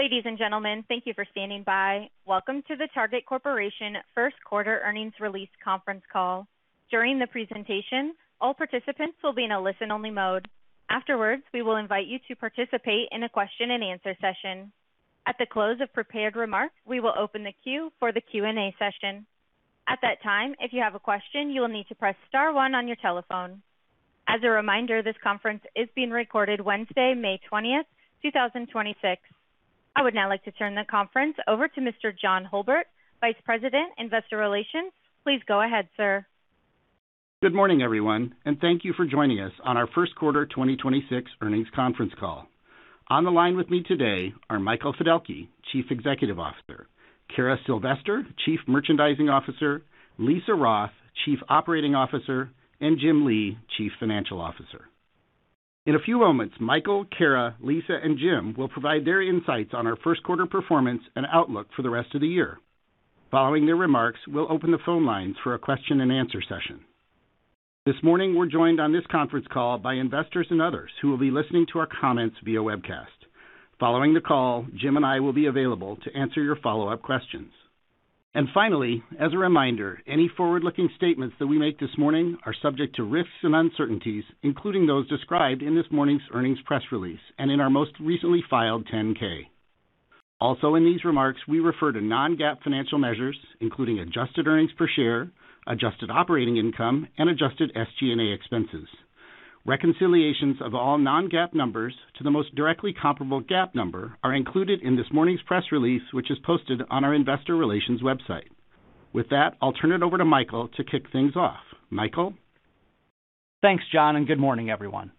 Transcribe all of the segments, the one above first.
Ladies and gentlemen, thank you for standing by. Welcome to the Target Corporation first quarter earnings release conference call. During the presentation, all participants will be in a listen-only mode. Afterwards, we will invite you to participate in a question-and-answer session. At the close of prepared remarks, we will open the queue for the Q&A session. At that time, if you have a question, you will need to press star one on your telephone. As a reminder, this conference is being recorded Wednesday, May 20th, 2026. I would now like to turn the conference over to Mr. John Hulbert, Vice President, Investor Relations. Please go ahead, sir. Good morning, everyone, and thank you for joining us on our first quarter 2026 earnings conference call. On the line with me today are Michael Fiddelke, Chief Executive Officer, Cara Sylvester, Chief Merchandising Officer, Lisa Roath, Chief Operating Officer, and Jim Lee, Chief Financial Officer. In a few moments, Michael, Cara, Lisa, and Jim will provide their insights on our first quarter performance and outlook for the rest of the year. Following their remarks, we'll open the phone lines for a question-and-answer session. This morning, we're joined on this conference call by investors and others who will be listening to our comments via webcast. Following the call, Jim and I will be available to answer your follow-up questions. Finally, as a reminder, any forward-looking statements that we make this morning are subject to risks and uncertainties, including those described in this morning's earnings press release and in our most recently filed 10-K. In these remarks, we refer to non-GAAP financial measures, including adjusted earnings per share, adjusted operating income, and adjusted SG&A expenses. Reconciliations of all non-GAAP numbers to the most directly comparable GAAP number are included in this morning's press release, which is posted on our investor relations website. That, I'll turn it over to Michael to kick things off. Michael? Thanks, John, and good morning, everyone.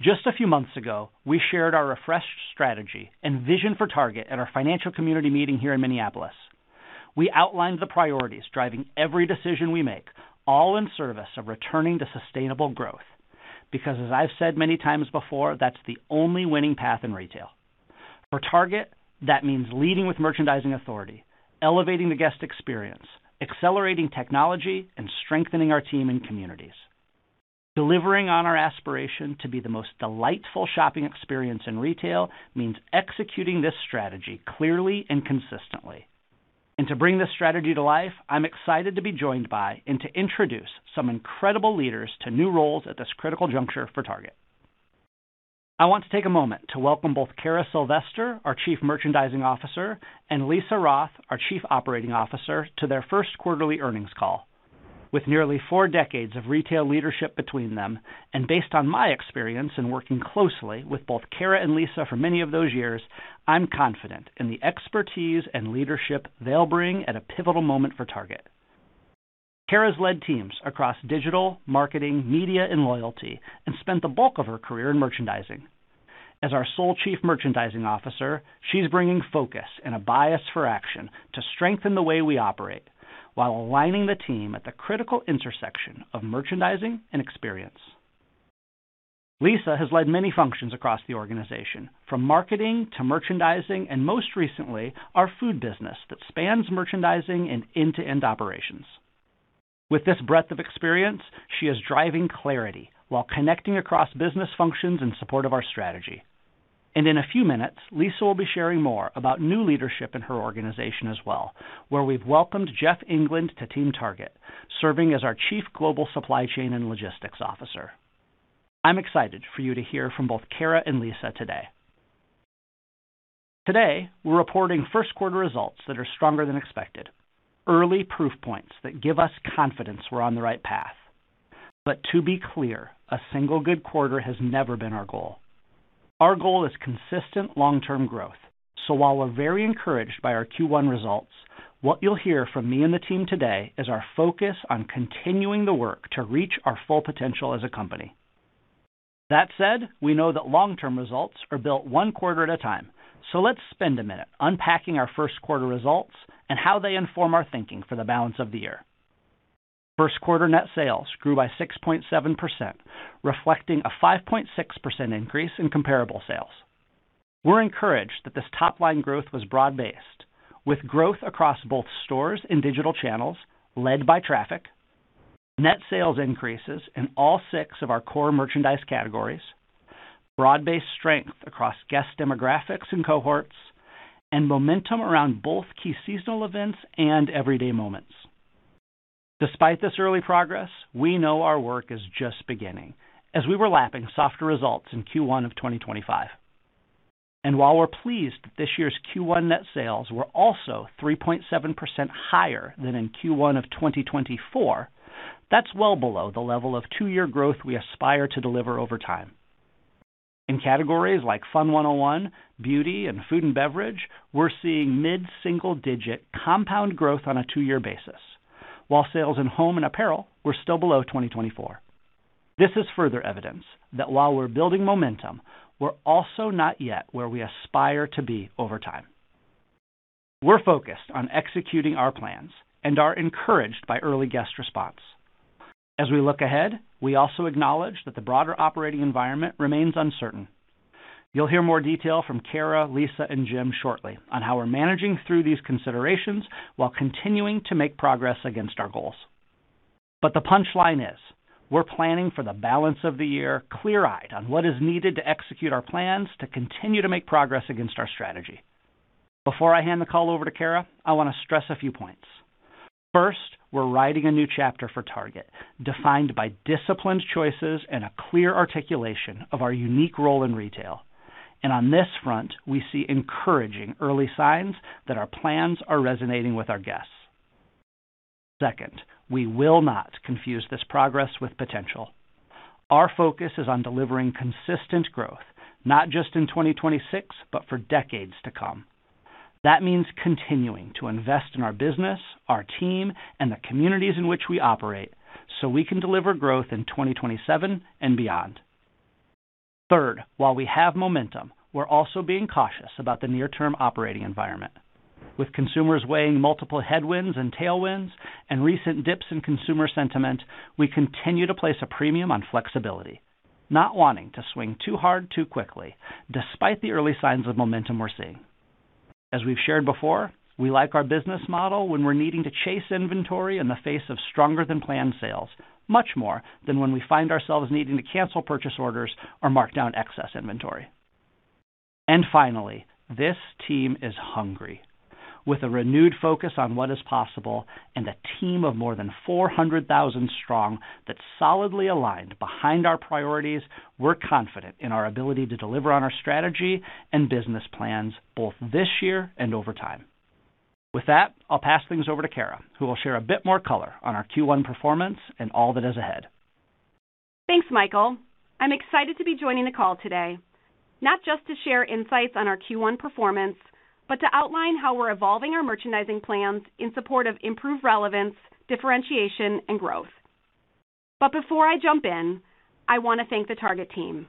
Just a few months ago, we shared our refreshed strategy and vision for Target at our financial community meeting here in Minneapolis. We outlined the priorities driving every decision we make, all in service of returning to sustainable growth, because as I've said many times before, that's the only winning path in retail. For Target, that means leading with merchandising authority, elevating the guest experience, accelerating technology, and strengthening our team and communities. Delivering on our aspiration to be the most delightful shopping experience in retail means executing this strategy clearly and consistently. To bring this strategy to life, I'm excited to be joined by and to introduce some incredible leaders to new roles at this critical juncture for Target. I want to take a moment to welcome both Cara Sylvester, our Chief Merchandising Officer, and Lisa Roath, our Chief Operating Officer, to their first quarterly earnings call. With nearly four decades of retail leadership between them, and based on my experience in working closely with both Cara and Lisa for many of those years, I'm confident in the expertise and leadership they'll bring at a pivotal moment for Target. Cara's led teams across digital, marketing, media, and loyalty, and spent the bulk of her career in merchandising. As our sole Chief Merchandising Officer, she's bringing focus and a bias for action to strengthen the way we operate while aligning the team at the critical intersection of merchandising and experience. Lisa has led many functions across the organization, from marketing to merchandising and most recently, our food business that spans merchandising and end-to-end operations. With this breadth of experience, she is driving clarity while connecting across business functions in support of our strategy. In a few minutes, Lisa will be sharing more about new leadership in her organization as well, where we've welcomed Jeff England to Team Target, serving as our Chief Global Supply Chain and Logistics Officer. I'm excited for you to hear from both Cara and Lisa today. Today, we're reporting first quarter results that are stronger than expected, early proof points that give us confidence we're on the right path. To be clear, a single good quarter has never been our goal. Our goal is consistent long-term growth. While we're very encouraged by our Q1 results, what you'll hear from me and the team today is our focus on continuing the work to reach our full potential as a company. That said, we know that long-term results are built one quarter at a time. Let's spend a minute unpacking our first quarter results and how they inform our thinking for the balance of the year. First quarter net sales grew by 6.7%, reflecting a 5.6% increase in comparable sales. We're encouraged that this top-line growth was broad-based, with growth across both stores and digital channels led by traffic, net sales increases in all six of our core merchandise categories, broad-based strength across guest demographics and cohorts, and momentum around both key seasonal events and everyday moments. Despite this early progress, we know our work is just beginning, as we were lapping softer results in Q1 of 2025. While we're pleased that this year's Q1 net sales were also 3.7% higher than in Q1 of 2024, that's well below the level of two-year growth we aspire to deliver over time. In categories like Fun 101, Beauty, and Food and Beverage, we're seeing mid-single digit compound growth on a two-year basis, while sales in Home and Apparel were still below 2024. This is further evidence that while we're building momentum, we're also not yet where we aspire to be over time. We're focused on executing our plans and are encouraged by early guest response. As we look ahead, we also acknowledge that the broader operating environment remains uncertain. You'll hear more detail from Cara, Lisa, and Jim shortly on how we're managing through these considerations while continuing to make progress against our goals. The punchline is, we're planning for the balance of the year clear-eyed on what is needed to execute our plans to continue to make progress against our strategy. Before I hand the call over to Cara, I want to stress a few points. First, we're writing a new chapter for Target, defined by disciplined choices and a clear articulation of our unique role in retail. On this front, we see encouraging early signs that our plans are resonating with our guests. Second, we will not confuse this progress with potential. Our focus is on delivering consistent growth, not just in 2026, but for decades to come. That means continuing to invest in our business, our team, and the communities in which we operate, so we can deliver growth in 2027 and beyond. Third, while we have momentum, we're also being cautious about the near-term operating environment. With consumers weighing multiple headwinds and tailwinds, and recent dips in consumer sentiment, we continue to place a premium on flexibility, not wanting to swing too hard too quickly, despite the early signs of momentum we're seeing. As we've shared before, we like our business model when we're needing to chase inventory in the face of stronger than planned sales, much more than when we find ourselves needing to cancel purchase orders or mark down excess inventory. Finally, this team is hungry. With a renewed focus on what is possible and a team of more than 400,000 strong that's solidly aligned behind our priorities, we're confident in our ability to deliver on our strategy and business plans both this year and over time. With that, I'll pass things over to Cara, who will share a bit more color on our Q1 performance and all that is ahead. Thanks, Michael. I'm excited to be joining the call today, not just to share insights on our Q1 performance, but to outline how we're evolving our merchandising plans in support of improved relevance, differentiation, and growth. Before I jump in, I want to thank the Target team.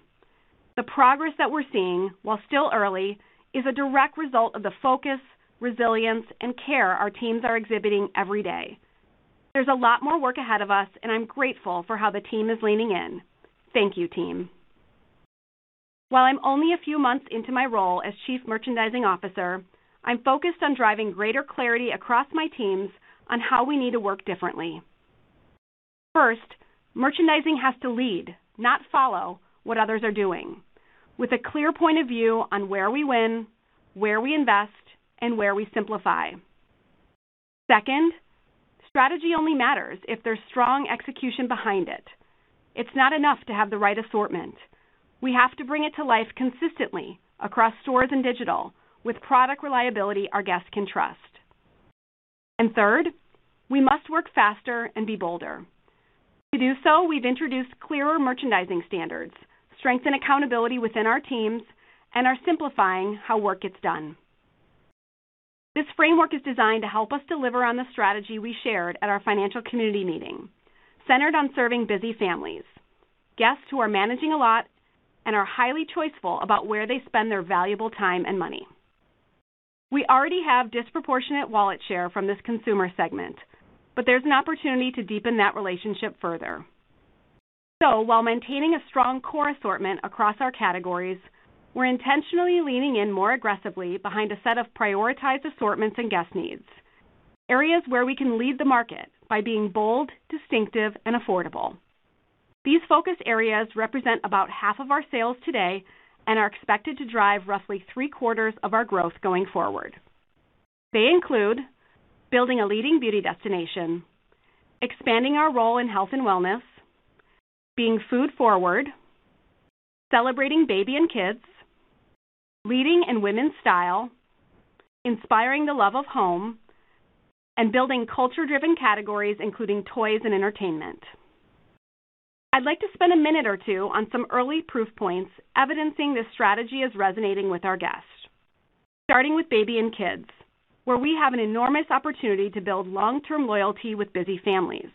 The progress that we're seeing, while still early, is a direct result of the focus, resilience, and care our teams are exhibiting every day. There's a lot more work ahead of us, and I'm grateful for how the team is leaning in. Thank you, team. While I'm only a few months into my role as Chief Merchandising Officer, I'm focused on driving greater clarity across my teams on how we need to work differently. First, merchandising has to lead, not follow, what others are doing, with a clear point of view on where we win, where we invest, and where we simplify. Second, strategy only matters if there's strong execution behind it. It's not enough to have the right assortment. We have to bring it to life consistently across stores and digital with product reliability our guests can trust. Third, we must work faster and be bolder. To do so, we've introduced clearer merchandising standards, strengthened accountability within our teams, and are simplifying how work gets done. This framework is designed to help us deliver on the strategy we shared at our financial community meeting, centered on serving busy families, guests who are managing a lot and are highly choiceful about where they spend their valuable time and money. We already have disproportionate wallet share from this consumer segment, but there's an opportunity to deepen that relationship further. While maintaining a strong core assortment across our categories, we're intentionally leaning in more aggressively behind a set of prioritized assortments and guest needs, areas where we can lead the market by being bold, distinctive, and affordable. These focus areas represent about half of our sales today and are expected to drive roughly 3/4 of our growth going forward. They include building a leading beauty destination, expanding our role in health and wellness, being food forward, celebrating baby and kids, leading in women's style, inspiring the love of home, and building culture-driven categories, including toys and entertainment. I'd like to spend a minute or two on some early proof points evidencing this strategy is resonating with our guests. Starting with baby and kids, where we have an enormous opportunity to build long-term loyalty with busy families.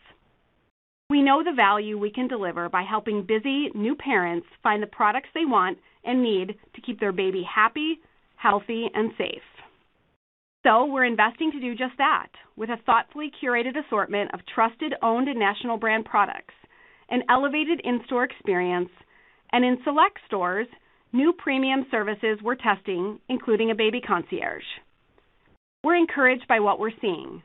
We know the value we can deliver by helping busy new parents find the products they want and need to keep their baby happy, healthy, and safe. We're investing to do just that with a thoughtfully curated assortment of trusted owned and national brand products, an elevated in-store experience, and in select stores, new premium services we're testing, including a Baby Concierge. We're encouraged by what we're seeing,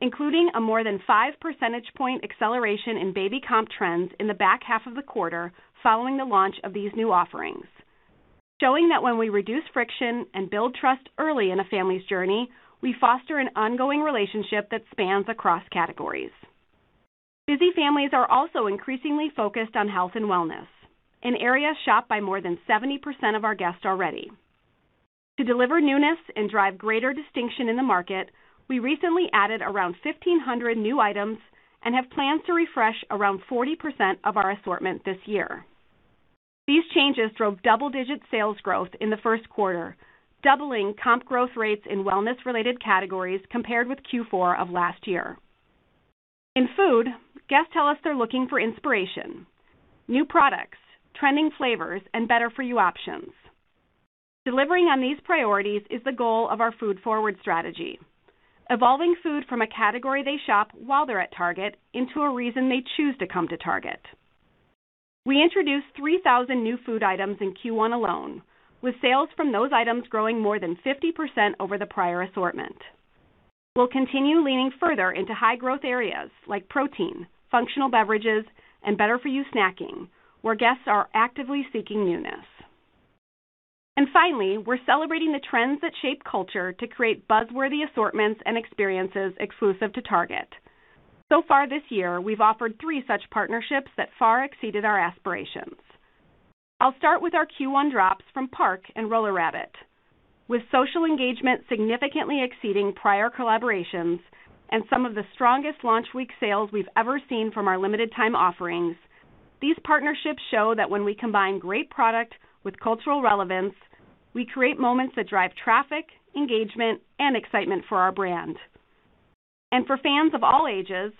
including a more than 5 percentage point acceleration in baby comp trends in the back half of the quarter following the launch of these new offerings. Showing that when we reduce friction and build trust early in a family's journey, we foster an ongoing relationship that spans across categories. Busy families are also increasingly focused on health and wellness, an area shopped by more than 70% of our guests already. To deliver newness and drive greater distinction in the market, we recently added around 1,500 new items and have plans to refresh around 40% of our assortment this year. These changes drove double-digit sales growth in the first quarter, doubling comp growth rates in wellness-related categories compared with Q4 of last year. In food, guests tell us they're looking for inspiration, new products, trending flavors, and better-for-you options. Delivering on these priorities is the goal of our food forward strategy. Evolving food from a category they shop while they're at Target into a reason they choose to come to Target. We introduced 3,000 new food items in Q1 alone, with sales from those items growing more than 50% over the prior assortment. We'll continue leaning further into high growth areas like protein, functional beverages, and better-for-you snacking, where guests are actively seeking newness. Finally, we're celebrating the trends that shape culture to create buzzworthy assortments and experiences exclusive to Target. So far this year, we've offered three such partnerships that far exceeded our aspirations. I'll start with our Q1 drops from Parachute and Roller Rabbit. With social engagement significantly exceeding prior collaborations and some of the strongest launch week sales we've ever seen from our limited time offerings, these partnerships show that when we combine great product with cultural relevance, we create moments that drive traffic, engagement, and excitement for our brand. For fans of all ages,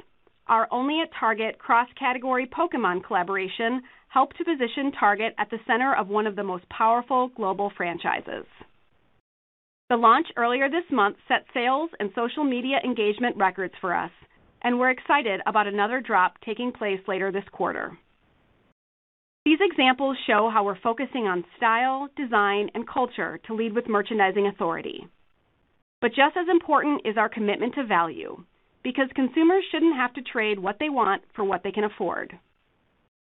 our only at Target cross-category Pokémon collaboration helped to position Target at the center of one of the most powerful global franchises. The launch earlier this month set sales and social media engagement records for us, and we're excited about another drop taking place later this quarter. These examples show how we're focusing on style, design, and culture to lead with merchandising authority. Just as important is our commitment to value, because consumers shouldn't have to trade what they want for what they can afford.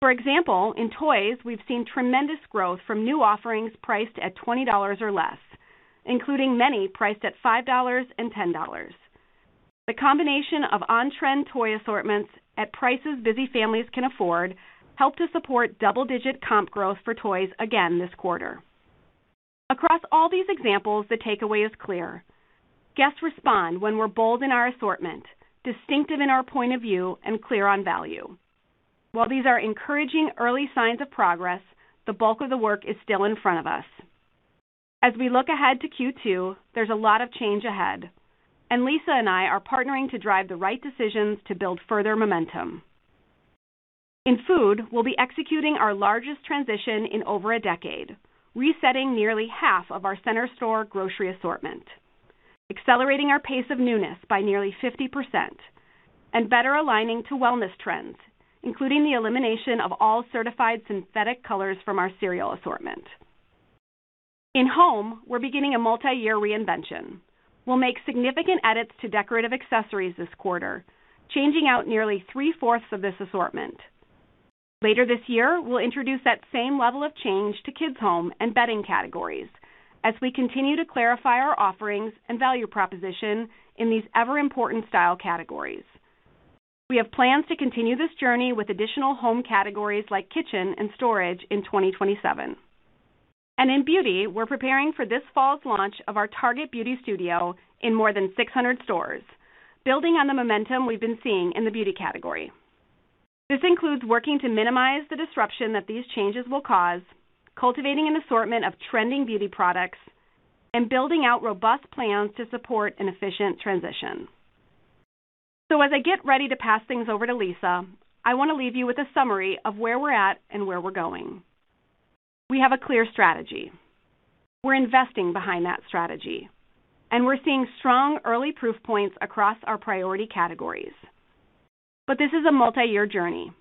For example, in toys, we've seen tremendous growth from new offerings priced at $20 or less, including many priced at $5 and $10. The combination of on-trend toy assortments at prices busy families can afford helped to support double-digit comp growth for toys again this quarter. Across all these examples, the takeaway is clear. Guests respond when we're bold in our assortment, distinctive in our point of view, and clear on value. While these are encouraging early signs of progress, the bulk of the work is still in front of us. As we look ahead to Q2, there's a lot of change ahead, and Lisa and I are partnering to drive the right decisions to build further momentum. In food, we'll be executing our largest transition in over a decade, resetting nearly half of our center store grocery assortment, accelerating our pace of newness by nearly 50%, and better aligning to wellness trends, including the elimination of all certified synthetic colors from our cereal assortment. In home, we're beginning a multi-year reinvention. We'll make significant edits to decorative accessories this quarter, changing out nearly 3/4 of this assortment. Later this year, we'll introduce that same level of change to kids home and bedding categories as we continue to clarify our offerings and value proposition in these ever-important style categories. We have plans to continue this journey with additional home categories like kitchen and storage in 2027. In beauty, we're preparing for this fall's launch of our Target Beauty Studio in more than 600 stores, building on the momentum we've been seeing in the beauty category. This includes working to minimize the disruption that these changes will cause, cultivating an assortment of trending beauty products, and building out robust plans to support an efficient transition. As I get ready to pass things over to Lisa, I want to leave you with a summary of where we're at and where we're going. We have a clear strategy. We're investing behind that strategy, and we're seeing strong early proof points across our priority categories. This is a multi-year journey.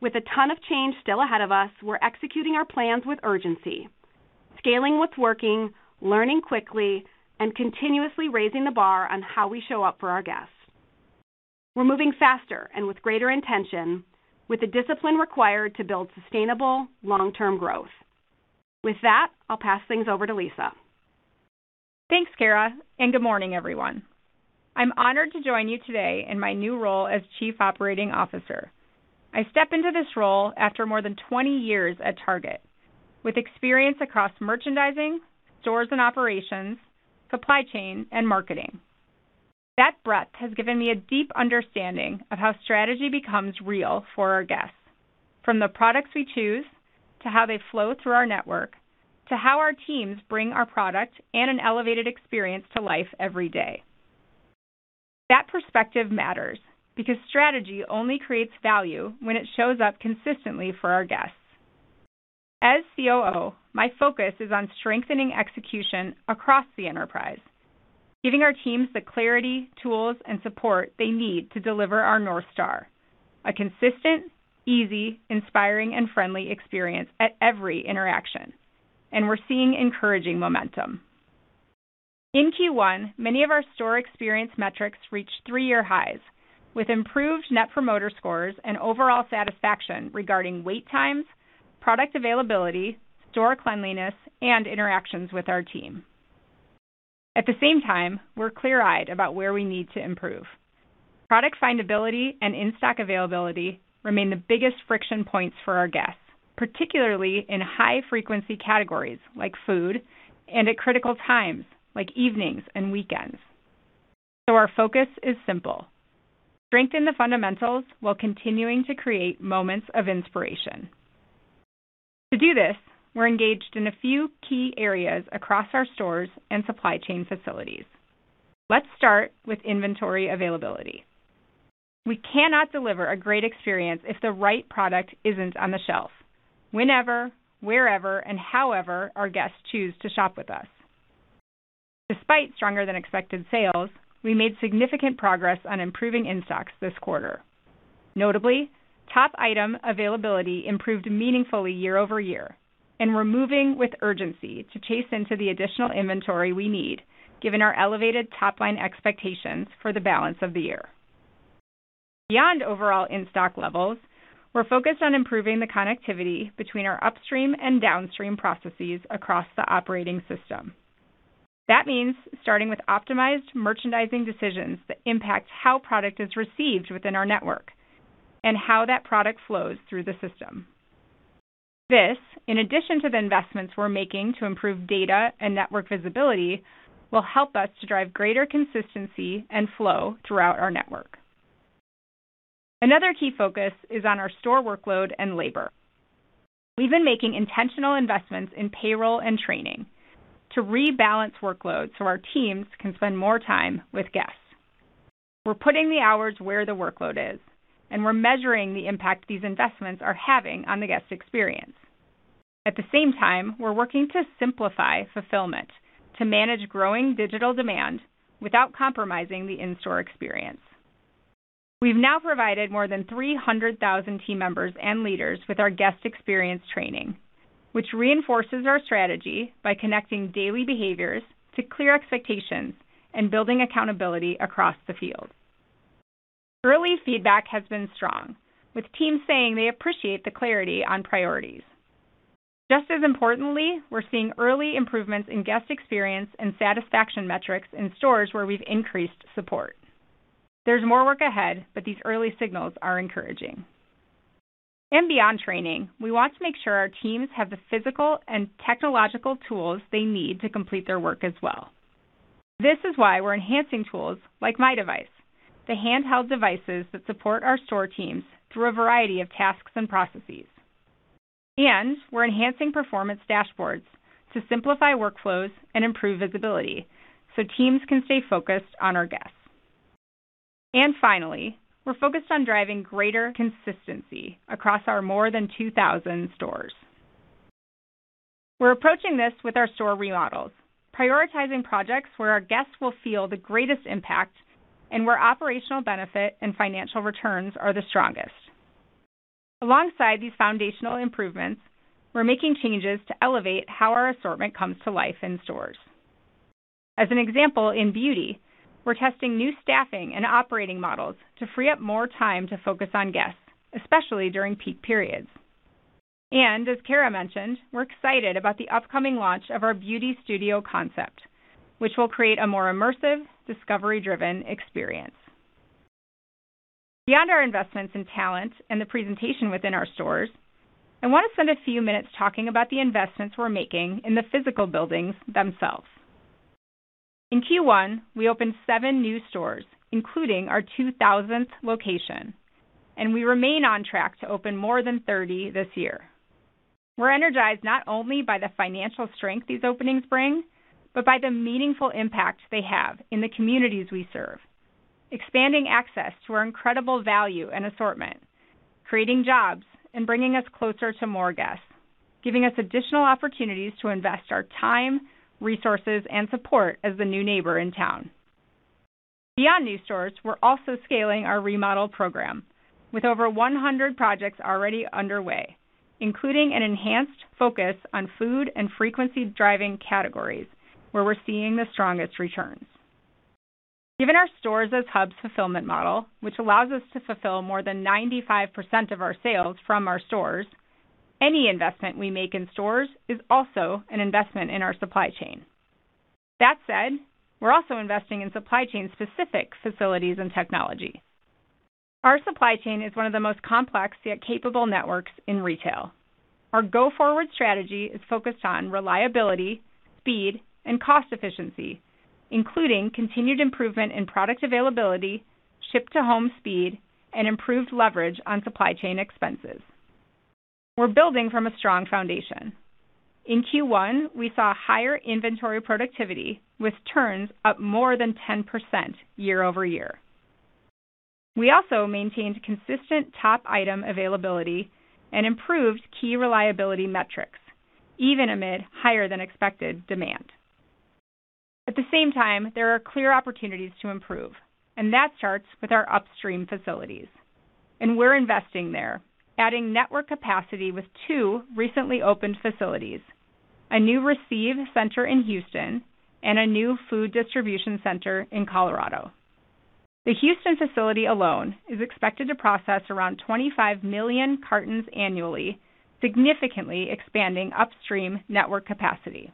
With a ton of change still ahead of us, we're executing our plans with urgency, scaling what's working, learning quickly, and continuously raising the bar on how we show up for our guests. We're moving faster and with greater intention, with the discipline required to build sustainable long-term growth. With that, I'll pass things over to Lisa. Thanks, Cara, good morning, everyone. I'm honored to join you today in my new role as Chief Operating Officer. I step into this role after more than 20 years at Target, with experience across merchandising, stores and operations, supply chain, and marketing. That breadth has given me a deep understanding of how strategy becomes real for our guests, from the products we choose, to how they flow through our network, to how our teams bring our product and an elevated experience to life every day. That perspective matters, because strategy only creates value when it shows up consistently for our guests. As COO, my focus is on strengthening execution across the enterprise, giving our teams the clarity, tools, and support they need to deliver our North Star, a consistent, easy, inspiring, and friendly experience at every interaction. We're seeing encouraging momentum. In Q1, many of our store experience metrics reached three-year highs, with improved net promoter scores and overall satisfaction regarding wait times, product availability, store cleanliness, and interactions with our team. At the same time, we're clear-eyed about where we need to improve. Product findability and in-stock availability remain the biggest friction points for our guests, particularly in high-frequency categories like food and at critical times like evenings and weekends. Our focus is simple. Strengthen the fundamentals while continuing to create moments of inspiration. To do this, we're engaged in a few key areas across our stores and supply chain facilities. Let's start with inventory availability. We cannot deliver a great experience if the right product isn't on the shelf, whenever, wherever, and however our guests choose to shop with us. Despite stronger than expected sales, we made significant progress on improving in-stocks this quarter. Notably, top item availability improved meaningfully year-over-year, and we're moving with urgency to chase into the additional inventory we need given our elevated top-line expectations for the balance of the year. Beyond overall in-stock levels, we're focused on improving the connectivity between our upstream and downstream processes across the operating system. That means starting with optimized merchandising decisions that impact how product is received within our network and how that product flows through the system. This, in addition to the investments we're making to improve data and network visibility, will help us to drive greater consistency and flow throughout our network. Another key focus is on our store workload and labor. We've been making intentional investments in payroll and training to rebalance workload so our teams can spend more time with guests. We're putting the hours where the workload is, and we're measuring the impact these investments are having on the guest experience. At the same time, we're working to simplify fulfillment to manage growing digital demand without compromising the in-store experience. We've now provided more than 300,000 team members and leaders with our guest experience training, which reinforces our strategy by connecting daily behaviors to clear expectations and building accountability across the field. Early feedback has been strong, with teams saying they appreciate the clarity on priorities. Just as importantly, we're seeing early improvements in guest experience and satisfaction metrics in stores where we've increased support. There's more work ahead, but these early signals are encouraging. Beyond training, we want to make sure our teams have the physical and technological tools they need to complete their work as well. This is why we're enhancing tools like MyDevice, the handheld devices that support our store teams through a variety of tasks and processes. We're enhancing performance dashboards to simplify workflows and improve visibility so teams can stay focused on our guests. Finally, we're focused on driving greater consistency across our more than 2,000 stores. We're approaching this with our store remodels, prioritizing projects where our guests will feel the greatest impact, and where operational benefit and financial returns are the strongest. Alongside these foundational improvements, we're making changes to elevate how our assortment comes to life in stores. As an example, in beauty, we're testing new staffing and operating models to free up more time to focus on guests, especially during peak periods. As Cara mentioned, we're excited about the upcoming launch of our Beauty Studio concept, which will create a more immersive, discovery-driven experience. Beyond our investments in talent and the presentation within our stores, I want to spend a few minutes talking about the investments we're making in the physical buildings themselves. In Q1, we opened seven new stores, including our 2,000th location. We remain on track to open more than 30 this year. We're energized not only by the financial strength these openings bring, but by the meaningful impact they have in the communities we serve, expanding access to our incredible value and assortment, creating jobs, and bringing us closer to more guests, giving us additional opportunities to invest our time, resources, and support as the new neighbor in town. Beyond new stores, we're also scaling our remodel program with over 100 projects already underway, including an enhanced focus on food and frequency-driving categories where we're seeing the strongest returns. Given our stores as hubs fulfillment model, which allows us to fulfill more than 95% of our sales from our stores, any investment we make in stores is also an investment in our supply chain. That said, we're also investing in supply chain specific facilities and technology. Our supply chain is one of the most complex, yet capable networks in retail. Our go-forward strategy is focused on reliability, speed, and cost efficiency, including continued improvement in product availability, ship-to-home speed, and improved leverage on supply chain expenses. We're building from a strong foundation. In Q1, we saw higher inventory productivity with turns up more than 10% year-over-year. We also maintained consistent top item availability and improved key reliability metrics, even amid higher than expected demand. At the same time, there are clear opportunities to improve, and that starts with our upstream facilities. We're investing there, adding network capacity with two recently opened facilities, a new receive center in Houston, and a new food distribution center in Colorado. The Houston facility alone is expected to process around 25 million cartons annually, significantly expanding upstream network capacity.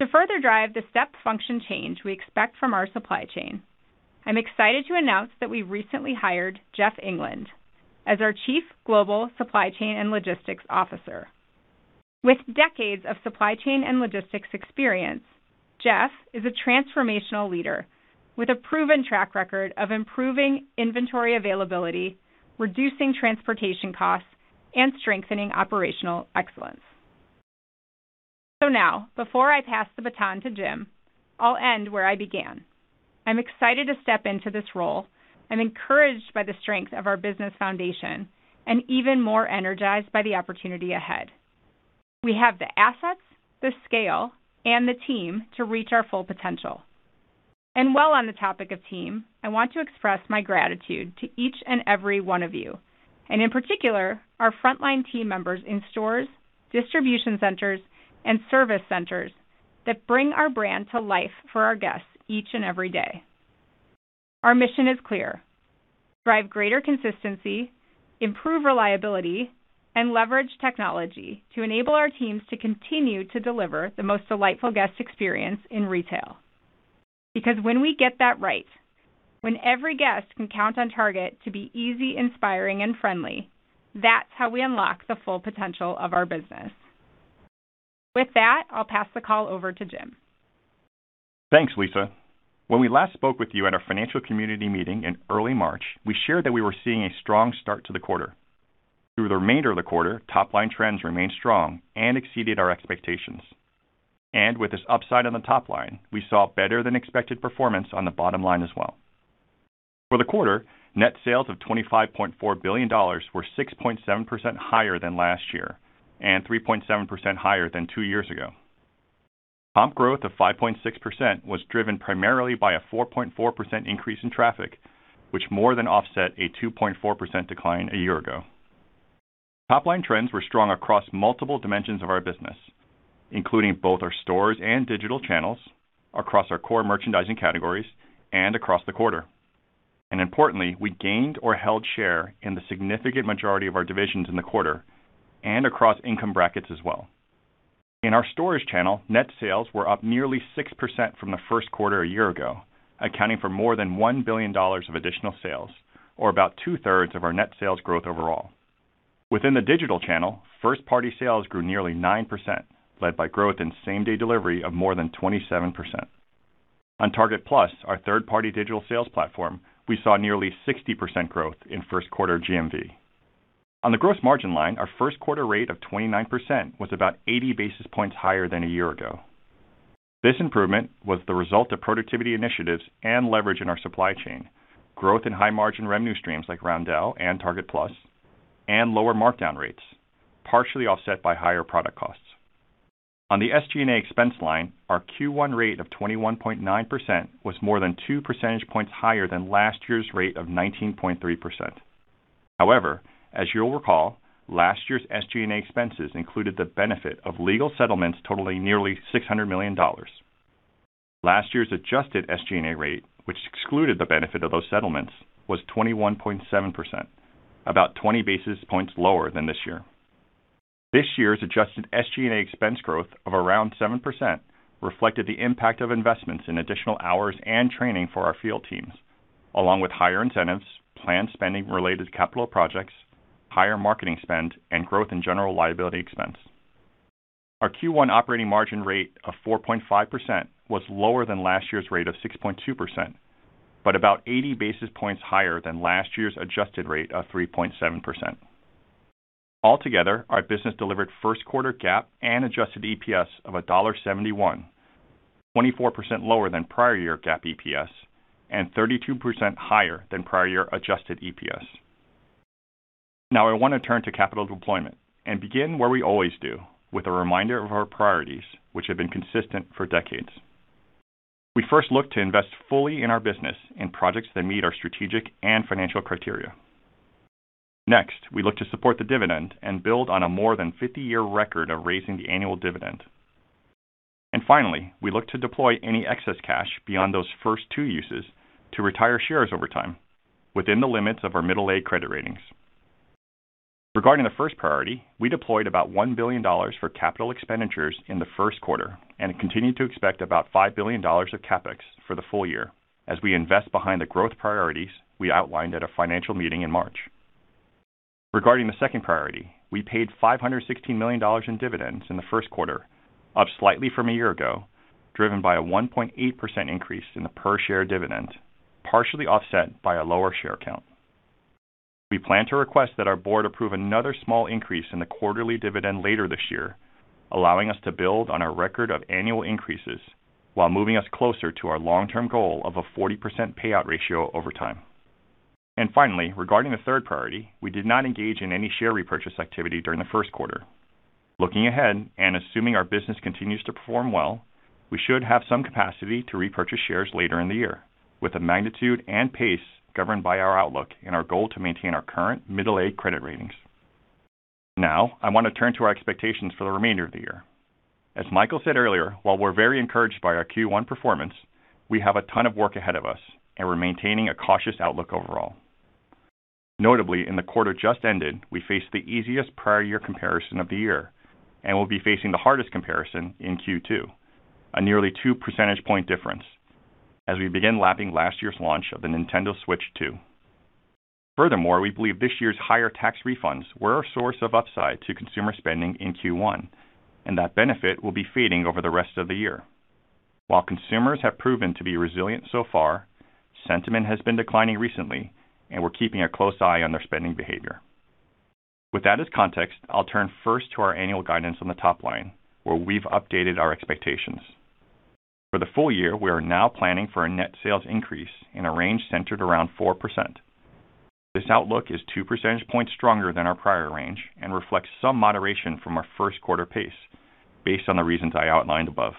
To further drive the step function change we expect from our supply chain, I'm excited to announce that we recently hired Jeff England as our Chief Global Supply Chain and Logistics Officer. With decades of supply chain and logistics experience, Jeff is a transformational leader with a proven track record of improving inventory availability, reducing transportation costs, and strengthening operational excellence. Now, before I pass the baton to Jim, I'll end where I began. I'm excited to step into this role. I'm encouraged by the strength of our business foundation and even more energized by the opportunity ahead. We have the assets, the scale, and the team to reach our full potential. While on the topic of team, I want to express my gratitude to each and every one of you, and in particular, our frontline team members in stores, distribution centers, and service centers that bring our brand to life for our guests each and every day. Our mission is clear: drive greater consistency, improve reliability, and leverage technology to enable our teams to continue to deliver the most delightful guest experience in retail. When we get that right, when every guest can count on Target to be easy, inspiring, and friendly, that's how we unlock the full potential of our business. With that, I'll pass the call over to Jim. Thanks, Lisa Roath. When we last spoke with you at our financial community meeting in early March, we shared that we were seeing a strong start to the quarter. Through the remainder of the quarter, top-line trends remained strong and exceeded our expectations. With this upside on the top line, we saw better-than-expected performance on the bottom line as well. For the quarter, net sales of $25.4 billion were 6.7% higher than last year and 3.7% higher than two years ago. Comp growth of 5.6% was driven primarily by a 4.4% increase in traffic, which more than offset a 2.4% decline a year ago. Top-line trends were strong across multiple dimensions of our business, including both our stores and digital channels, across our core merchandising categories, and across the quarter. Importantly, we gained or held share in the significant majority of our divisions in the quarter and across income brackets as well. In our stores channel, net sales were up nearly 6% from the first quarter a year ago, accounting for more than $1 billion of additional sales or about 2/3 of our net sales growth overall. Within the digital channel, first-party sales grew nearly 9%, led by growth in same-day delivery of more than 27%. On Target Plus, our third-party digital sales platform, we saw nearly 60% growth in first quarter GMV. On the gross margin line, our first quarter rate of 29% was about 80 basis points higher than a year ago. This improvement was the result of productivity initiatives and leverage in our supply chain, growth in high-margin revenue streams like Roundel and Target Plus, and lower markdown rates, partially offset by higher product costs. On the SG&A expense line, our Q1 rate of 21.9% was more than 2 percentage points higher than last year's rate of 19.3%. However, as you'll recall, last year's SG&A expenses included the benefit of legal settlements totaling nearly $600 million. Last year's adjusted SG&A rate, which excluded the benefit of those settlements, was 21.7%, about 20 basis points lower than this year. This year's adjusted SG&A expense growth of around 7% reflected the impact of investments in additional hours and training for our field teams, along with higher incentives, planned spending related to capital projects, higher marketing spend, and growth in general liability expense. Our Q1 operating margin rate of 4.5% was lower than last year's rate of 6.2%, but about 80 basis points higher than last year's adjusted rate of 3.7%. Altogether, our business delivered first quarter GAAP and adjusted EPS of $1.71, 24% lower than prior year GAAP EPS and 32% higher than prior year adjusted EPS. Now I want to turn to capital deployment and begin where we always do, with a reminder of our priorities, which have been consistent for decades. We first look to invest fully in our business in projects that meet our strategic and financial criteria. Next, we look to support the dividend and build on a more than 50-year record of raising the annual dividend. Finally, we look to deploy any excess cash beyond those first two uses to retire shares over time within the limits of our middle-A credit ratings. Regarding the first priority, we deployed about $1 billion for capital expenditures in the first quarter and continue to expect about $5 billion of CapEx for the full year as we invest behind the growth priorities we outlined at our financial meeting in March. Regarding the second priority, we paid $516 million in dividends in the first quarter, up slightly from a year ago, driven by a 1.8% increase in the per-share dividend, partially offset by a lower share count. We plan to request that our board approve another small increase in the quarterly dividend later this year, allowing us to build on our record of annual increases while moving us closer to our long-term goal of a 40% payout ratio over time. Finally, regarding the third priority, we did not engage in any share repurchase activity during the first quarter. Looking ahead and assuming our business continues to perform well, we should have some capacity to repurchase shares later in the year with the magnitude and pace governed by our outlook and our goal to maintain our current middle-A credit ratings. Now, I want to turn to our expectations for the remainder of the year. As Michael said earlier, while we're very encouraged by our Q1 performance, we have a ton of work ahead of us, and we're maintaining a cautious outlook overall. Notably, in the quarter just ended, we faced the easiest prior year comparison of the year and will be facing the hardest comparison in Q2, a nearly 2 percentage point difference as we begin lapping last year's launch of the Nintendo Switch 2. We believe this year's higher tax refunds were a source of upside to consumer spending in Q1. That benefit will be fading over the rest of the year. While consumers have proven to be resilient so far, sentiment has been declining recently. We're keeping a close eye on their spending behavior. With that as context, I'll turn first to our annual guidance on the top line, where we've updated our expectations. For the full year, we are now planning for a net sales increase in a range centered around 4%. This outlook is 2 percentage points stronger than our prior range. It reflects some moderation from our first quarter pace based on the reasons I outlined above.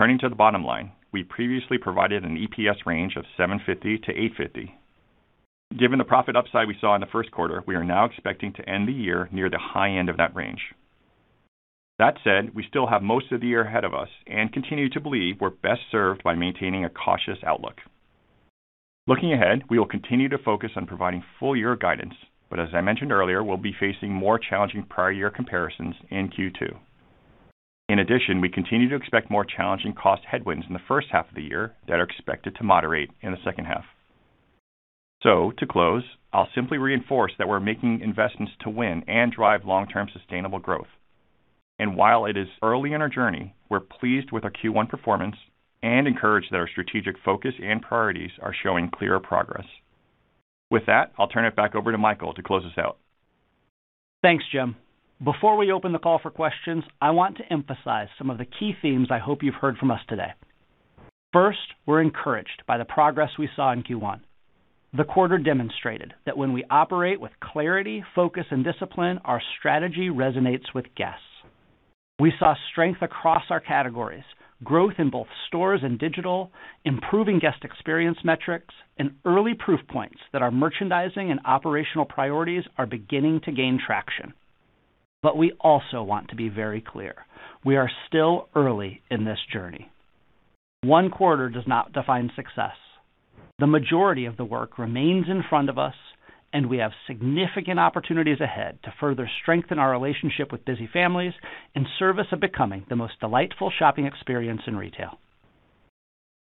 Turning to the bottom line, we previously provided an EPS range of $7.50-$8.50. Given the profit upside we saw in the first quarter, we are now expecting to end the year near the high end of that range. That said, we still have most of the year ahead of us and continue to believe we're best served by maintaining a cautious outlook. Looking ahead, we will continue to focus on providing full year guidance, but as I mentioned earlier, we'll be facing more challenging prior year comparisons in Q2. In addition, we continue to expect more challenging cost headwinds in the first half of the year that are expected to moderate in the second half. To close, I'll simply reinforce that we're making investments to win and drive long-term sustainable growth. While it is early in our journey, we're pleased with our Q1 performance and encouraged that our strategic focus and priorities are showing clear progress. With that, I'll turn it back over to Michael to close us out. Thanks, Jim. Before we open the call for questions, I want to emphasize some of the key themes I hope you've heard from us today. First, we're encouraged by the progress we saw in Q1. The quarter demonstrated that when we operate with clarity, focus, and discipline, our strategy resonates with guests. We saw strength across our categories, growth in both stores and digital, improving guest experience metrics, and early proof points that our merchandising and operational priorities are beginning to gain traction. We also want to be very clear. We are still early in this journey. One quarter does not define success. The majority of the work remains in front of us, and we have significant opportunities ahead to further strengthen our relationship with busy families in service of becoming the most delightful shopping experience in retail.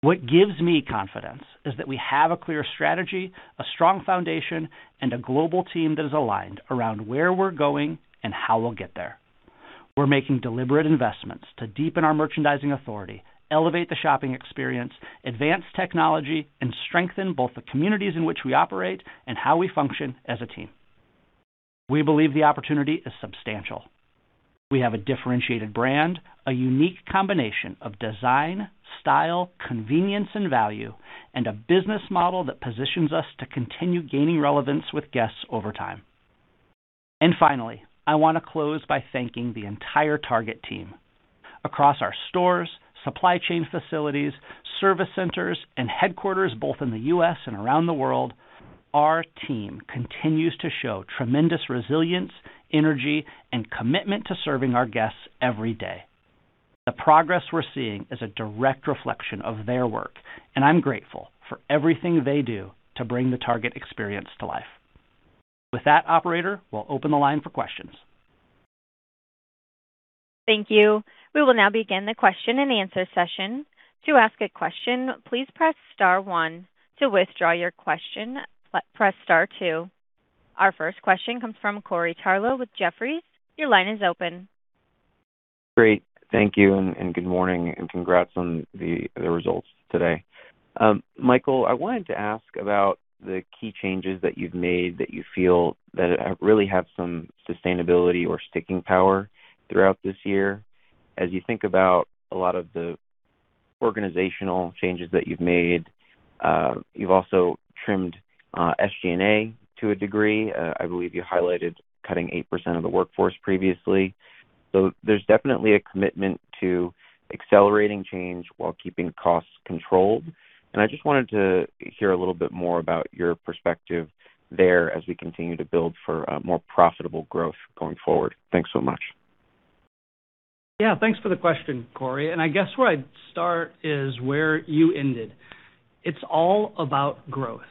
What gives me confidence is that we have a clear strategy, a strong foundation, and a global team that is aligned around where we're going and how we'll get there. We're making deliberate investments to deepen our merchandising authority, elevate the shopping experience, advance technology, and strengthen both the communities in which we operate and how we function as a team. We believe the opportunity is substantial. We have a differentiated brand, a unique combination of design, style, convenience, and value, and a business model that positions us to continue gaining relevance with guests over time. Finally, I want to close by thanking the entire Target team. Across our stores, supply chain facilities, service centers, and headquarters both in the U.S. and around the world, our team continues to show tremendous resilience, energy, and commitment to serving our guests every day. The progress we're seeing is a direct reflection of their work, and I'm grateful for everything they do to bring the Target experience to life. With that, operator, we'll open the line for questions. Thank you. We will now begin the question and answer session. To ask a question, please press star one. To withdraw your question, press star two. Our first question comes from Corey Tarlowe with Jefferies. Your line is open. Great. Thank you, and good morning, and congrats on the results today. Michael, I wanted to ask about the key changes that you've made that you feel that really have some sustainability or sticking power throughout this year. As you think about a lot of the organizational changes that you've made, you've also trimmed SG&A to a degree. I believe you highlighted cutting 8% of the workforce previously. There's definitely a commitment to accelerating change while keeping costs controlled, and I just wanted to hear a little bit more about your perspective there as we continue to build for more profitable growth going forward. Thanks so much. Yeah. Thanks for the question, Corey Tarlowe. I guess where I'd start is where you ended. It's all about growth.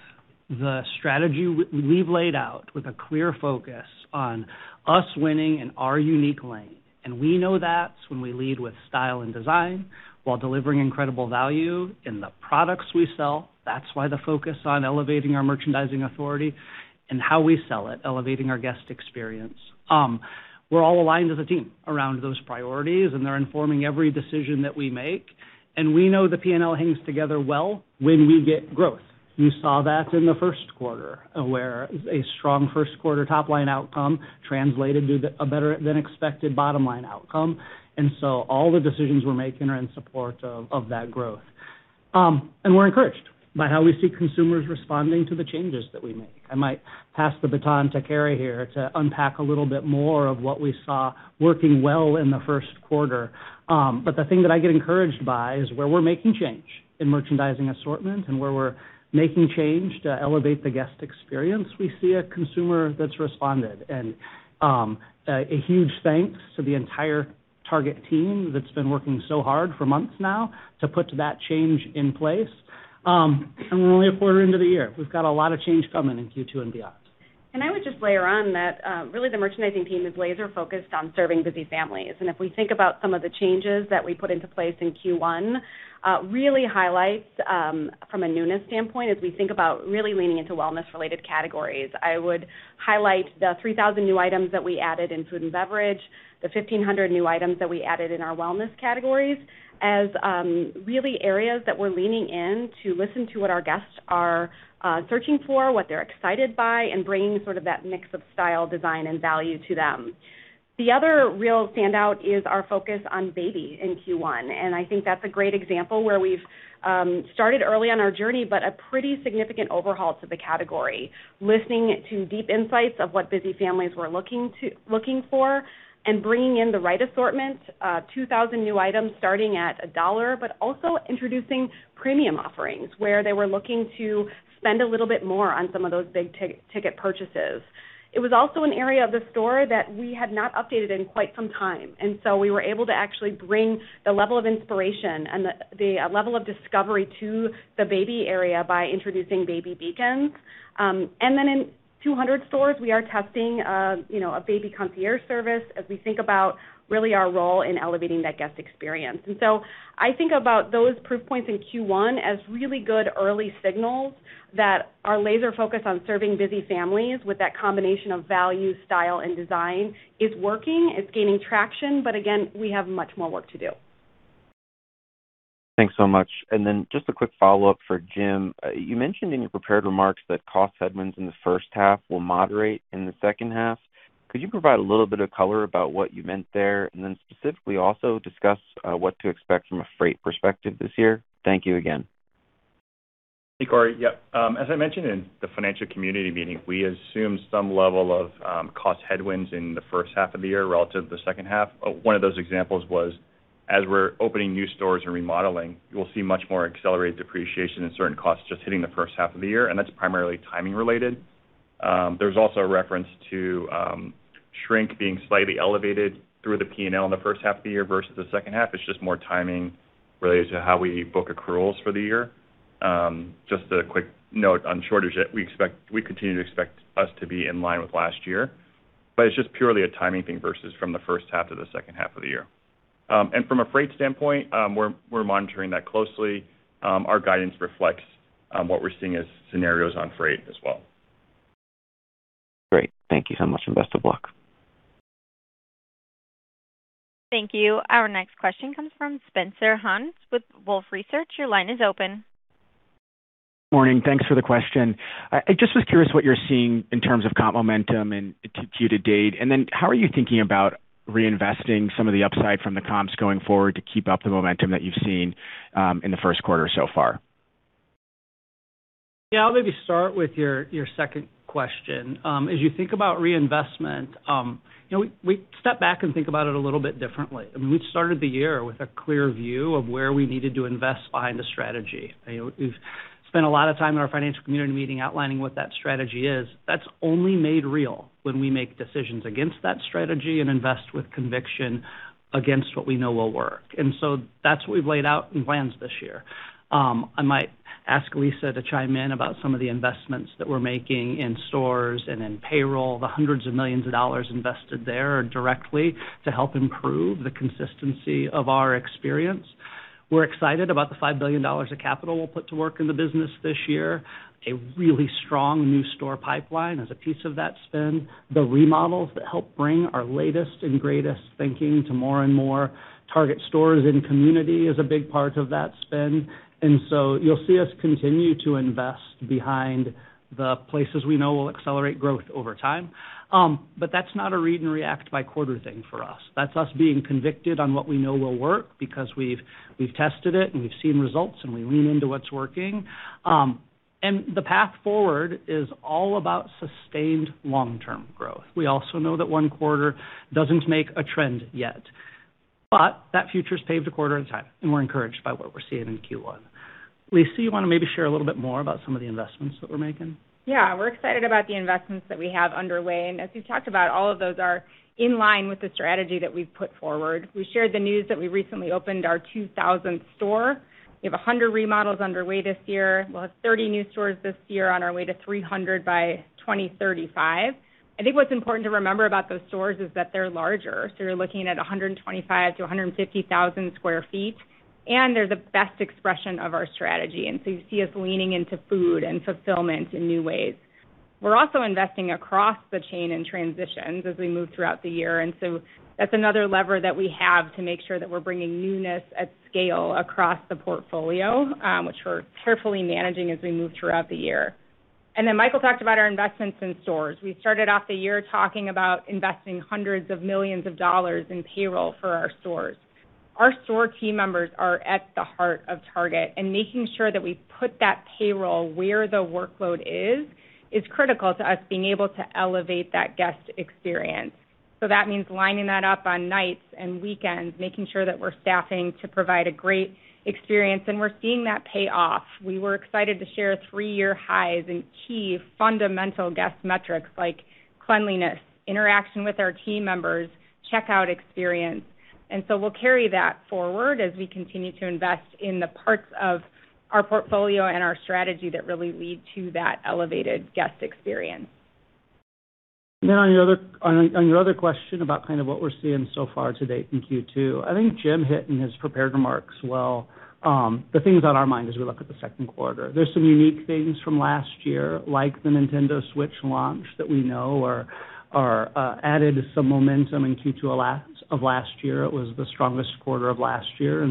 The strategy we've laid out with a clear focus on us winning in our unique lane. We know that's when we lead with style and design while delivering incredible value in the products we sell. That's why the focus on elevating our merchandising authority and how we sell it, elevating our guest experience. We're all aligned as a team around those priorities. They're informing every decision that we make. We know the P&L hangs together well when we get growth. You saw that in the first quarter, where a strong first quarter top-line outcome translated to a better than expected bottom-line outcome. All the decisions we're making are in support of that growth. We're encouraged by how we see consumers responding to the changes that we make. I might pass the baton to Cara Sylvester here to unpack a little bit more of what we saw working well in the first quarter. The thing that I get encouraged by is where we're making change in merchandising assortment and where we're making change to elevate the guest experience. We see a consumer that's responded and, a huge thanks to the entire Target team that's been working so hard for months now to put that change in place. We're only a quarter into the year. We've got a lot of change coming in Q2 and beyond. I would just layer on that, really, the merchandising team is laser-focused on serving busy families. If we think about some of the changes that we put into place in Q1, really highlights, from a newness standpoint, as we think about really leaning into wellness-related categories. I would highlight the 3,000 new items that we added in food and beverage, the 1,500 new items that we added in our wellness categories as really areas that we're leaning in to listen to what our guests are searching for, what they're excited by, and bringing sort of that mix of style, design, and value to them. The other real standout is our focus on baby in Q1, and I think that's a great example where we've started early on our journey, but a pretty significant overhaul to the category, listening to deep insights of what busy families were looking for, and bringing in the right assortment, 2,000 new items starting at $1, but also introducing premium offerings where they were looking to spend a little bit more on some of those big ticket purchases. It was also an area of the store that we had not updated in quite some time. We were able to actually bring the level of inspiration and the level of discovery to the baby area by introducing baby beacons. In 200 stores, we are testing a Baby Concierge service as we think about really our role in elevating that guest experience. I think about those proof points in Q1 as really good early signals that our laser focus on serving busy families with that combination of value, style, and design is working, it's gaining traction. We have much more work to do. Thanks so much. Just a quick follow-up for Jim. You mentioned in your prepared remarks that cost headwinds in the first half will moderate in the second half. Could you provide a little bit of color about what you meant there? Specifically also discuss what to expect from a freight perspective this year. Thank you again. Hey, Corey. Yep. As I mentioned in the financial community meeting, we assume some level of cost headwinds in the first half of the year relative to the second half. One of those examples was as we're opening new stores and remodeling, you'll see much more accelerated depreciation and certain costs just hitting the first half of the year, and that's primarily timing related. There's also a reference to shrink being slightly elevated through the P&L in the first half of the year versus the second half. It's just more timing related to how we book accruals for the year. Just a quick note on shortage, we continue to expect us to be in line with last year, but it's just purely a timing thing versus from the first half to the second half of the year. From a freight standpoint, we're monitoring that closely. Our guidance reflects what we're seeing as scenarios on freight as well. Great. Thank you so much, and best of luck. Thank you. Our next question comes from Spencer Hanus with Wolfe Research. Your line is open. Morning. Thanks for the question. I just was curious what you're seeing in terms of comp momentum and Q to date. How are you thinking about reinvesting some of the upside from the comps going forward to keep up the momentum that you've seen in the first quarter so far? Yeah, I'll maybe start with your second question. As you think about reinvestment, we step back and think about it a little bit differently. We started the year with a clear view of where we needed to invest behind the strategy. We've spent a lot of time in our financial community meeting outlining what that strategy is. That's only made real when we make decisions against that strategy and invest with conviction against what we know will work. That's what we've laid out in plans this year. I might ask Lisa to chime in about some of the investments that we're making in stores and in payroll, the hundreds of millions of dollars invested there directly to help improve the consistency of our experience. We're excited about the $5 billion of capital we'll put to work in the business this year, a really strong new store pipeline as a piece of that spend. The remodels that help bring our latest and greatest thinking to more and more Target stores and community is a big part of that spend. You'll see us continue to invest behind the places we know will accelerate growth over time. That's not a read and react by quarter thing for us. That's us being convicted on what we know will work because we've tested it and we've seen results, we lean into what's working. The path forward is all about sustained long-term growth. We also know that one quarter doesn't make a trend yet, that future's paved a quarter at a time, we're encouraged by what we're seeing in Q1. Lisa, you want to maybe share a little bit more about some of the investments that we're making? Yeah. We're excited about the investments that we have underway. As we've talked about, all of those are in line with the strategy that we've put forward. We shared the news that we recently opened our 2,000th store. We have 100 remodels underway this year. We'll have 30 new stores this year on our way to 300 by 2035. I think what's important to remember about those stores is that they're larger. You're looking at 125,000 sq ft-150,000 sq ft, and they're the best expression of our strategy. You see us leaning into food and fulfillment in new ways. We're also investing across the chain in transitions as we move throughout the year. That's another lever that we have to make sure that we're bringing newness at scale across the portfolio, which we're carefully managing as we move throughout the year. Michael talked about our investments in stores. We started off the year talking about investing hundreds of millions of dollars in payroll for our stores. Our store team members are at the heart of Target, and making sure that we put that payroll where the workload is critical to us being able to elevate that guest experience. That means lining that up on nights and weekends, making sure that we're staffing to provide a great experience, and we're seeing that pay off. We were excited to share three-year highs in key fundamental guest metrics like cleanliness, interaction with our team members, checkout experience. We'll carry that forward as we continue to invest in the parts of our portfolio and our strategy that really lead to that elevated guest experience. On your other question about what we're seeing so far to date in Q2, I think Jim hit in his prepared remarks well, the things on our mind as we look at the second quarter. There's some unique things from last year, like the Nintendo Switch launch that we know added some momentum in Q2 of last year. It was the strongest quarter of last year,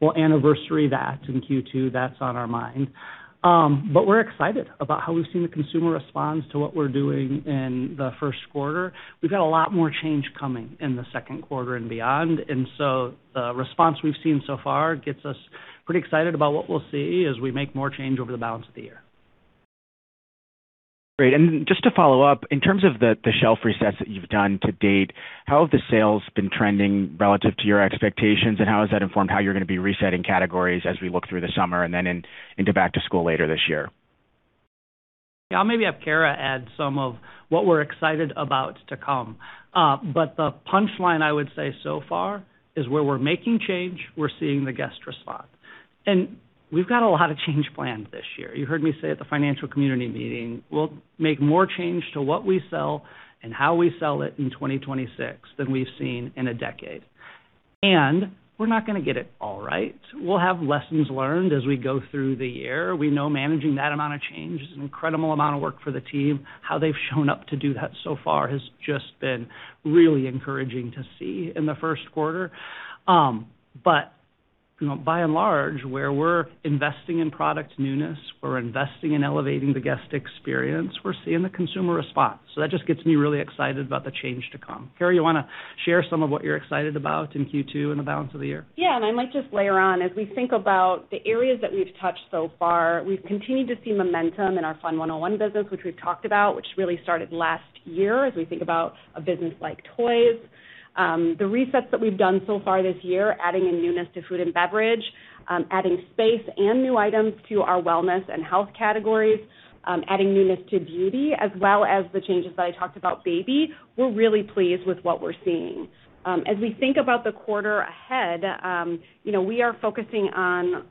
we'll anniversary that in Q2. That's on our mind. We're excited about how we've seen the consumer response to what we're doing in the first quarter. We've got a lot more change coming in the second quarter and beyond. The response we've seen so far gets us pretty excited about what we'll see as we make more change over the balance of the year. Great. Just to follow up, in terms of the shelf resets that you've done to date, how have the sales been trending relative to your expectations, and how has that informed how you're going to be resetting categories as we look through the summer and then into back to school later this year? Yeah, I'll maybe have Cara add some of what we're excited about to come. The punchline, I would say so far, is where we're making change, we're seeing the guest respond. We've got a lot of change planned this year. You heard me say at the financial community meeting, we'll make more change to what we sell and how we sell it in 2026 than we've seen in a decade. We're not going to get it all right. We'll have lessons learned as we go through the year. We know managing that amount of change is an incredible amount of work for the team. How they've shown up to do that so far has just been really encouraging to see in the first quarter. By and large, where we're investing in product newness, we're investing in elevating the guest experience, we're seeing the consumer respond. That just gets me really excited about the change to come. Cara, you want to share some of what you're excited about in Q2 and the balance of the year? I might just layer on, as we think about the areas that we've touched so far, we've continued to see momentum in our Fun 101 business, which we've talked about, which really started last year, as we think about a business like toys. The resets that we've done so far this year, adding a newness to food and beverage, adding space and new items to our wellness and health categories, adding newness to beauty, as well as the changes that I talked about, baby, we're really pleased with what we're seeing. As we think about the quarter ahead, we are focusing on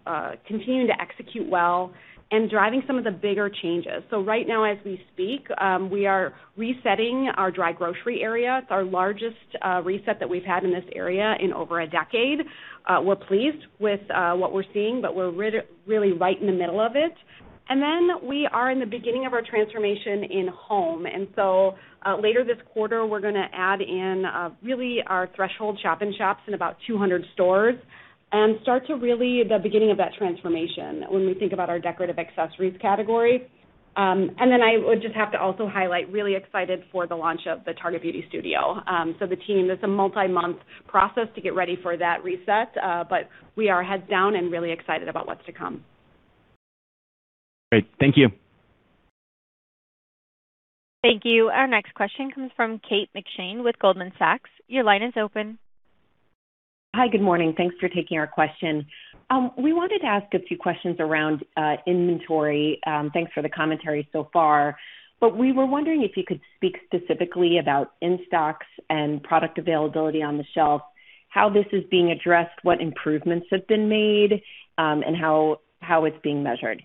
continuing to execute well and driving some of the bigger changes. Right now as we speak, we are resetting our dry grocery area. It's our largest reset that we've had in this area in over a decade. We're pleased with what we're seeing, but we're really right in the middle of it. We are in the beginning of our transformation in home. Later this quarter, we're going to add in really our Threshold shop-in-shops in about 200 stores and start to really the beginning of that transformation when we think about our decorative accessories category. I would just have to also highlight, really excited for the launch of the Target Beauty Studio. The team, that's a multi-month process to get ready for that reset. We are heads down and really excited about what's to come. Great. Thank you. Thank you. Our next question comes from Kate McShane with Goldman Sachs. Your line is open. Hi. Good morning. Thanks for taking our question. We wanted to ask a few questions around inventory. Thanks for the commentary so far. We were wondering if you could speak specifically about in-stocks and product availability on the shelf, how this is being addressed, what improvements have been made, and how it's being measured.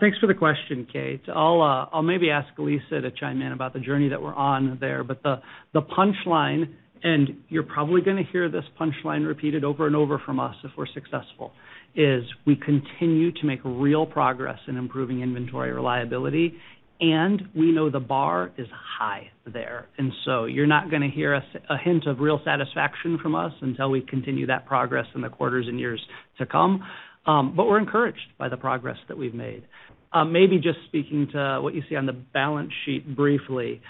Thanks for the question, Kate. I'll maybe ask Lisa to chime in about the journey that we're on there. The punchline, and you're probably going to hear this punchline repeated over and over from us if we're successful, is we continue to make real progress in improving inventory reliability, and we know the bar is high there. You're not going to hear a hint of real satisfaction from us until we continue that progress in the quarters and years to come. We're encouraged by the progress that we've made. Maybe just speaking to what you see on the balance sheet briefly.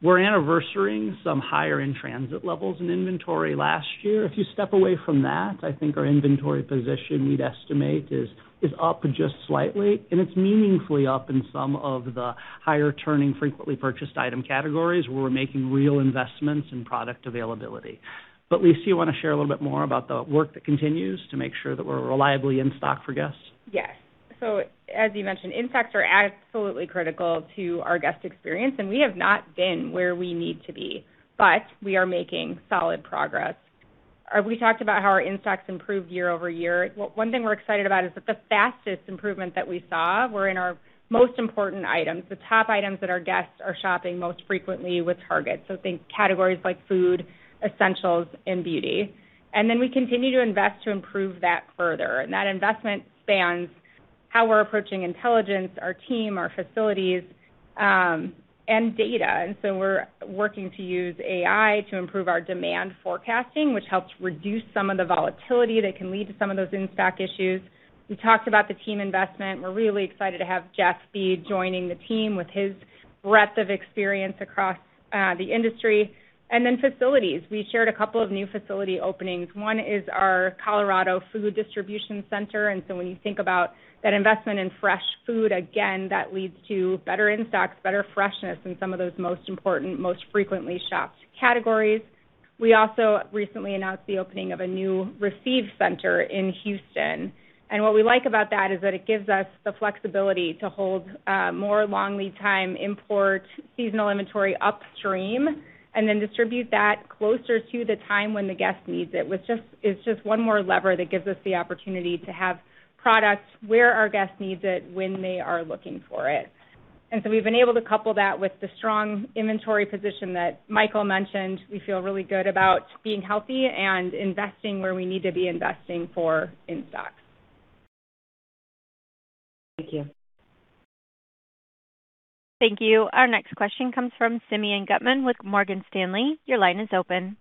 We're anniversarying some higher in-transit levels in inventory last year. If you step away from that, I think our inventory position, we'd estimate, is up just slightly, and it's meaningfully up in some of the higher turning, frequently purchased item categories where we're making real investments in product availability. Lisa, you want to share a little bit more about the work that continues to make sure that we're reliably in stock for guests? Yes. As you mentioned, in-stocks are absolutely critical to our guest experience, and we have not been where we need to be, but we are making solid progress. We talked about how our in-stocks improved year-over-year. One thing we're excited about is that the fastest improvement that we saw were in our most important items, the top items that our guests are shopping most frequently with Target. Think categories like food, essentials, and beauty. We continue to invest to improve that further. That investment spans how we're approaching intelligence, our team, our facilities, and data. We're working to use AI to improve our demand forecasting, which helps reduce some of the volatility that can lead to some of those in-stock issues. We talked about the team investment. We're really excited to have Jeff England joining the team with his breadth of experience across the industry. Facilities. We shared a couple of new facility openings. One is our Colorado food distribution center, when you think about that investment in fresh food, again, that leads to better in-stocks, better freshness in some of those most important, most frequently shopped categories. We also recently announced the opening of a new receive center in Houston. What we like about that is that it gives us the flexibility to hold more long lead time import seasonal inventory upstream and then distribute that closer to the time when the guest needs it. It's just one more lever that gives us the opportunity to have product where our guest needs it when they are looking for it. We've been able to couple that with the strong inventory position that Michael mentioned. We feel really good about being healthy and investing where we need to be investing for in-stocks. Thank you. Thank you. Our next question comes from Simeon Gutman with Morgan Stanley. Your line is open.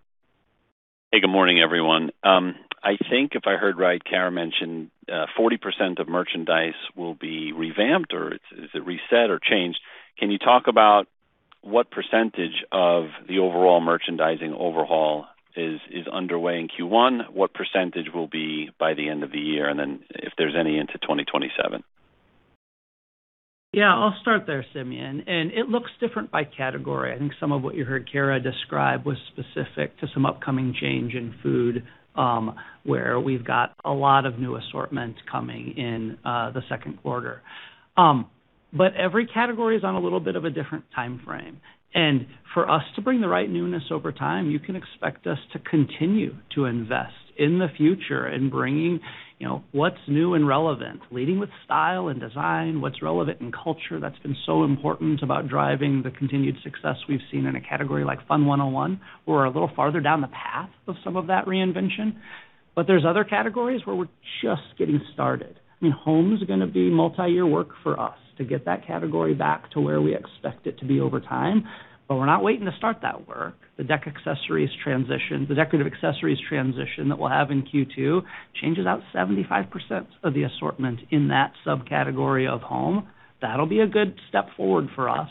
Hey, good morning, everyone. I think if I heard right, Cara mentioned 40% of merchandise will be revamped, or is it reset or changed? Can you talk about what percentage of the overall merchandising overhaul is underway in Q1? What percentage will be by the end of the year, and then if there's any into 2027? Yeah, I'll start there, Simeon. It looks different by category. I think some of what you heard Cara describe was specific to some upcoming change in food, where we've got a lot of new assortments coming in the second quarter. Every category is on a little bit of a different timeframe. For us to bring the right newness over time, you can expect us to continue to invest in the future in bringing what's new and relevant, leading with style and design, what's relevant in culture. That's been so important about driving the continued success we've seen in a category like Fun 101. We're a little farther down the path of some of that reinvention, but there's other categories where we're just getting started. Home's going to be multi-year work for us to get that category back to where we expect it to be over time. We're not waiting to start that work. The decorative accessories transition that we'll have in Q2 changes out 75% of the assortment in that subcategory of home. That'll be a good step forward for us,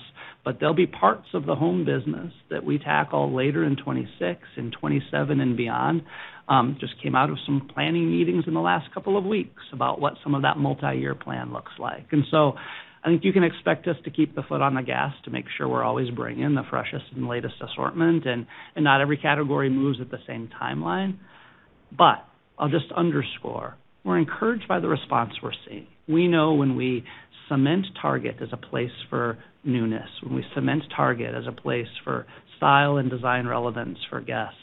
there'll be parts of the home business that we tackle later in 2026 and 2027 and beyond. I just came out of some planning meetings in the last couple of weeks about what some of that multi-year plan looks like. I think you can expect us to keep the foot on the gas to make sure we're always bringing the freshest and latest assortment. Not every category moves at the same timeline. I'll just underscore, we're encouraged by the response we're seeing. We know when we cement Target as a place for newness, when we cement Target as a place for style and design relevance for guests,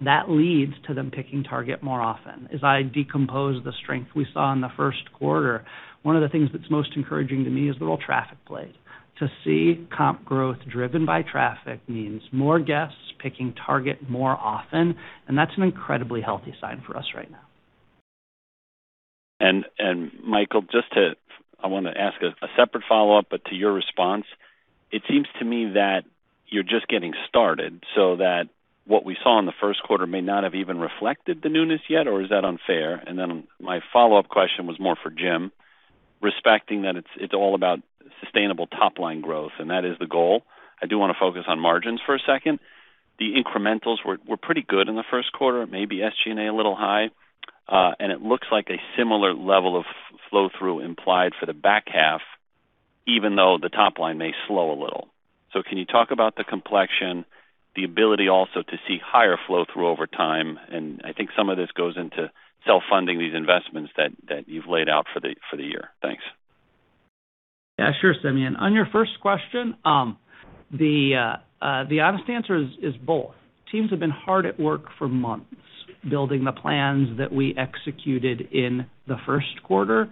that leads to them picking Target more often. As I decompose the strength we saw in the first quarter, one of the things that's most encouraging to me is the real traffic play. To see comp growth driven by traffic means more guests picking Target more often, and that's an incredibly healthy sign for us right now. Michael, I want to ask a separate follow-up, but to your response, it seems to me that you're just getting started, so that what we saw in the first quarter may not have even reflected the newness yet, or is that unfair? My follow-up question was more for Jim, respecting that it's all about sustainable top-line growth, and that is the goal. I do want to focus on margins for a second. The incrementals were pretty good in the first quarter, maybe SG&A a little high. It looks like a similar level of flow-through implied for the back half, even though the top line may slow a little. Can you talk about the complexion, the ability also to see higher flow-through over time? I think some of this goes into self-funding these investments that you've laid out for the year. Thanks. Sure, Simeon. On your first question, the honest answer is both. Teams have been hard at work for months building the plans that we executed in the first quarter,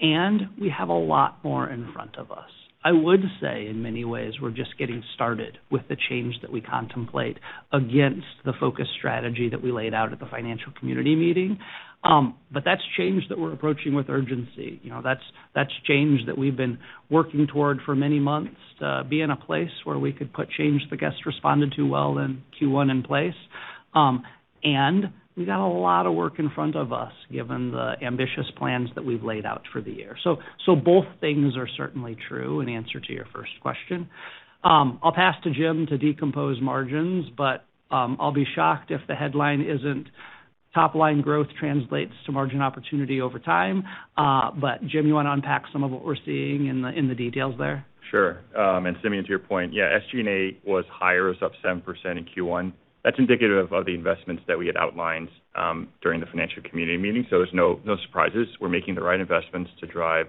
and we have a lot more in front of us. I would say, in many ways, we're just getting started with the change that we contemplate against the focus strategy that we laid out at the financial community meeting. That's change that we're approaching with urgency. That's change that we've been working toward for many months to be in a place where we could put change the guests responded to well in Q1 in place. We got a lot of work in front of us, given the ambitious plans that we've laid out for the year. Both things are certainly true, in answer to your first question. I'll pass to Jim to decompose margins, but I'll be shocked if the headline isn't top-line growth translates to margin opportunity over time. Jim, you want to unpack some of what we're seeing in the details there? Sure. Simeon, to your point, yeah, SG&A was higher. It was up 7% in Q1. That's indicative of the investments that we had outlined during the financial community meeting. There's no surprises. We're making the right investments to drive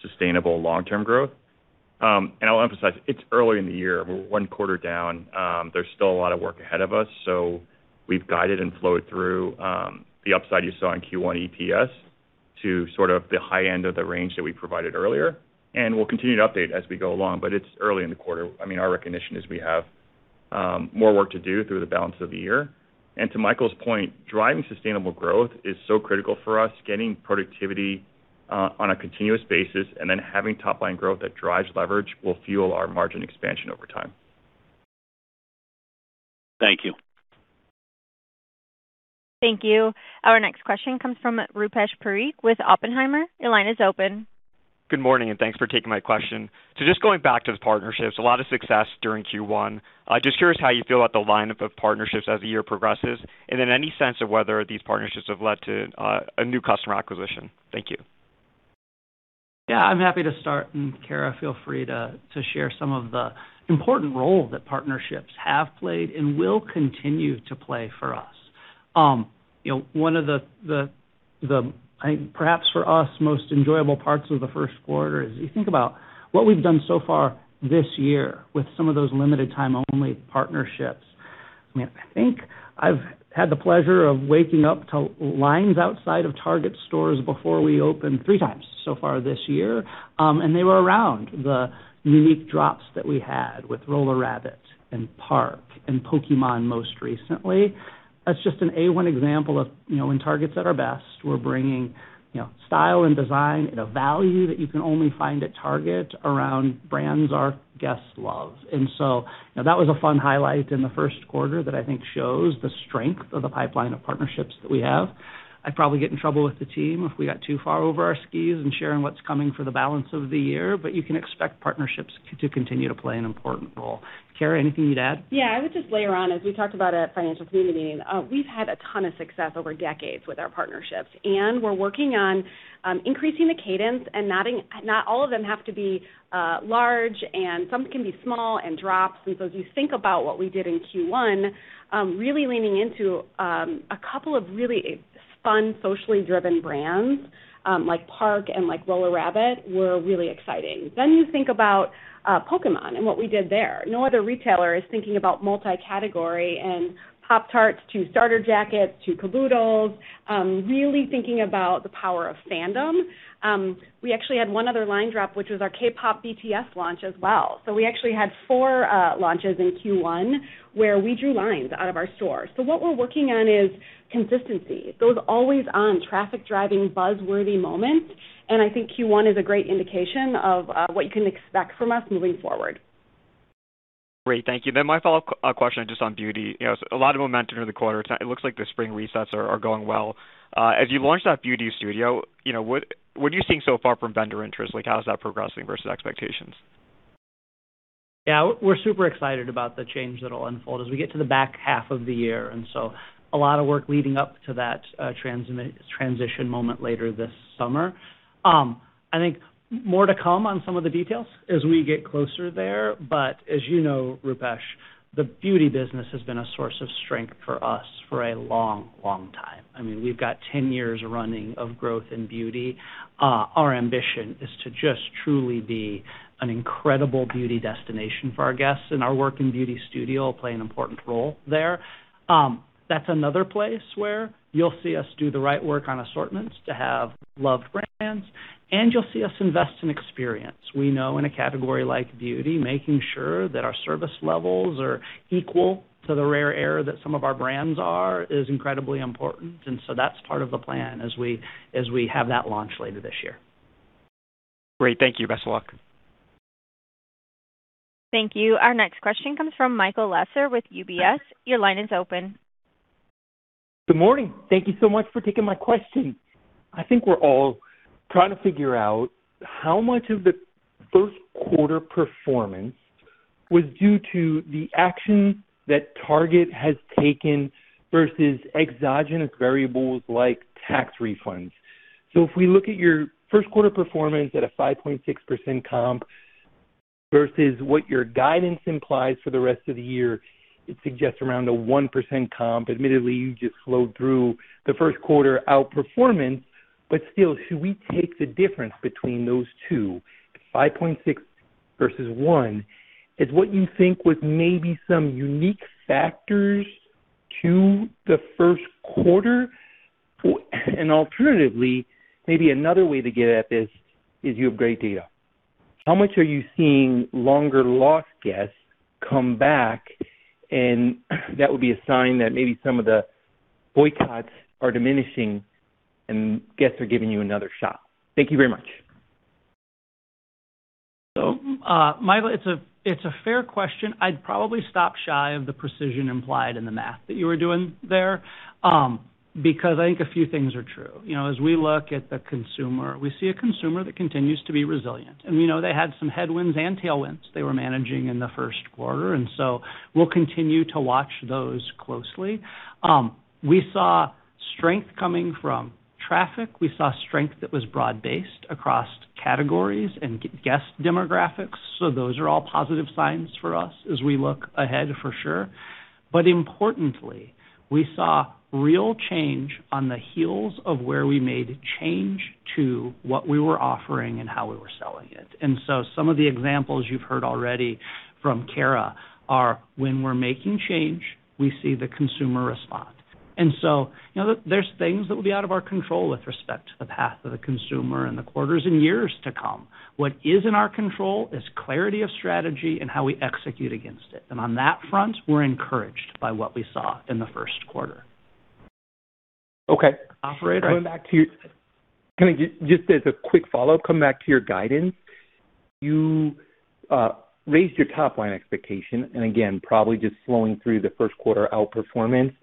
sustainable long-term growth. I'll emphasize, it's early in the year. We're one quarter down. There's still a lot of work ahead of us, so we've guided and flowed through the upside you saw in Q1 EPS to sort of the high end of the range that we provided earlier, and we'll continue to update as we go along. It's early in the quarter. Our recognition is we have more work to do through the balance of the year. To Michael's point, driving sustainable growth is so critical for us. Getting productivity on a continuous basis and then having top-line growth that drives leverage will fuel our margin expansion over time. Thank you. Thank you. Our next question comes from Rupesh Parikh with Oppenheimer. Your line is open. Good morning, thanks for taking my question. Just going back to the partnerships, a lot of success during Q1. Just curious how you feel about the lineup of partnerships as the year progresses, and then any sense of whether these partnerships have led to a new customer acquisition. Thank you. Yeah, I'm happy to start, and Cara, feel free to share some of the important role that partnerships have played and will continue to play for us. One of the, perhaps for us, most enjoyable parts of the first quarter is you think about what we've done so far this year with some of those limited time only partnerships. I think I've had the pleasure of waking up to lines outside of Target stores before we open, three times so far this year. They were around the unique drops that we had with Roller Rabbit and Parachute and Pokémon most recently. That's just an A-1 example of when Target's at our best, we're bringing style and design at a value that you can only find at Target around brands our guests love. That was a fun highlight in the first quarter that I think shows the strength of the pipeline of partnerships that we have. I'd probably get in trouble with the team if we got too far over our skis in sharing what's coming for the balance of the year, but you can expect partnerships to continue to play an important role. Cara, anything you'd add? Yeah, I would just layer on, as we talked about at financial community meeting, we've had a ton of success over decades with our partnerships. We're working on increasing the cadence. Not all of them have to be large. Some can be small and drops. As you think about what we did in Q1, really leaning into a couple of really fun, socially driven brands, like Parachute and like Roller Rabbit, were really exciting. You think about Pokémon and what we did there. No other retailer is thinking about multi-category and Pop-Tarts to Starter Jackets to Caboodles, really thinking about the power of fandom. We actually had one other line drop, which was our K-pop BTS launch as well. We actually had four launches in Q1 where we drew lines out of our stores. What we're working on is consistency. Those always-on, traffic-driving, buzz-worthy moments, and I think Q1 is a great indication of what you can expect from us moving forward. Great. Thank you. My follow-up question, just on beauty. A lot of momentum during the quarter. It looks like the spring resets are going well. As you launch that Target Beauty Studio, what are you seeing so far from vendor interest? How is that progressing versus expectations? We're super excited about the change that'll unfold as we get to the back half of the year, and so a lot of work leading up to that transition moment later this summer. I think more to come on some of the details as we get closer there, but as you know, Rupesh, the beauty business has been a source of strength for us for a long time. We've got 10 years running of growth in beauty. Our ambition is to just truly be an incredible beauty destination for our guests, and our work in beauty studio will play an important role there. That's another place where you'll see us do the right work on assortments to have loved brands, and you'll see us invest in experience. We know in a category like beauty, making sure that our service levels are equal to the rare air that some of our brands are is incredibly important, and so that's part of the plan as we have that launch later this year. Great. Thank you. Best of luck. Thank you. Our next question comes from Michael Lasser with UBS. Your line is open. Good morning. Thank you so much for taking my question. I think we're all trying to figure out how much of the first quarter performance was due to the action that Target has taken versus exogenous variables like tax refunds. If we look at your first quarter performance at a 5.6% comp versus what your guidance implies for the rest of the year, it suggests around a 1% comp. Admittedly, you just flowed through the first quarter outperformance, but still, should we take the difference between those two, 5.6% versus 1%, as what you think was maybe some unique factors to the first quarter? Alternatively, maybe another way to get at this is you have great data. How much are you seeing longer lost guests come back? That would be a sign that maybe some of the boycotts are diminishing and guests are giving you another shot. Thank you very much. Michael, it's a fair question. I'd probably stop shy of the precision implied in the math that you were doing there, because I think a few things are true. As we look at the consumer, we see a consumer that continues to be resilient. We know they had some headwinds and tailwinds they were managing in the first quarter, and so we'll continue to watch those closely. We saw strength coming from traffic. We saw strength that was broad-based across categories and guest demographics. Those are all positive signs for us as we look ahead for sure. Importantly, we saw real change on the heels of where we made change to what we were offering and how we were selling it. Some of the examples you've heard already from Cara are when we're making change, we see the consumer respond. There's things that will be out of our control with respect to the path of the consumer in the quarters and years to come. What is in our control is clarity of strategy and how we execute against it. On that front, we're encouraged by what we saw in the first quarter. Okay. Operator- Can I, just as a quick follow-up, come back to your guidance? You raised your top line expectation, again, probably just flowing through the first quarter outperformance,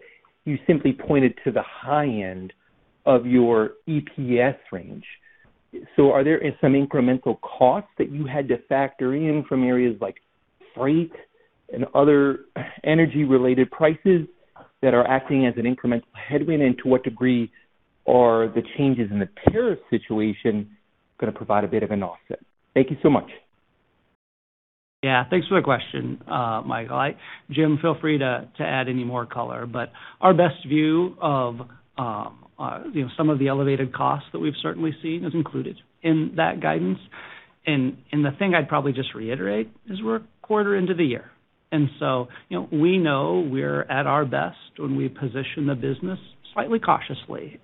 you simply pointed to the high end of your EPS range. Are there some incremental costs that you had to factor in from areas like freight and other energy-related prices that are acting as an incremental headwind? To what degree are the changes in the tariff situation going to provide a bit of an offset? Thank you so much. Yeah. Thanks for the question, Michael. Jim, feel free to add any more color, but our best view of some of the elevated costs that we've certainly seen is included in that guidance. The thing I'd probably just reiterate is we're a quarter into the year. We know we're at our best when we position the business slightly cautiously.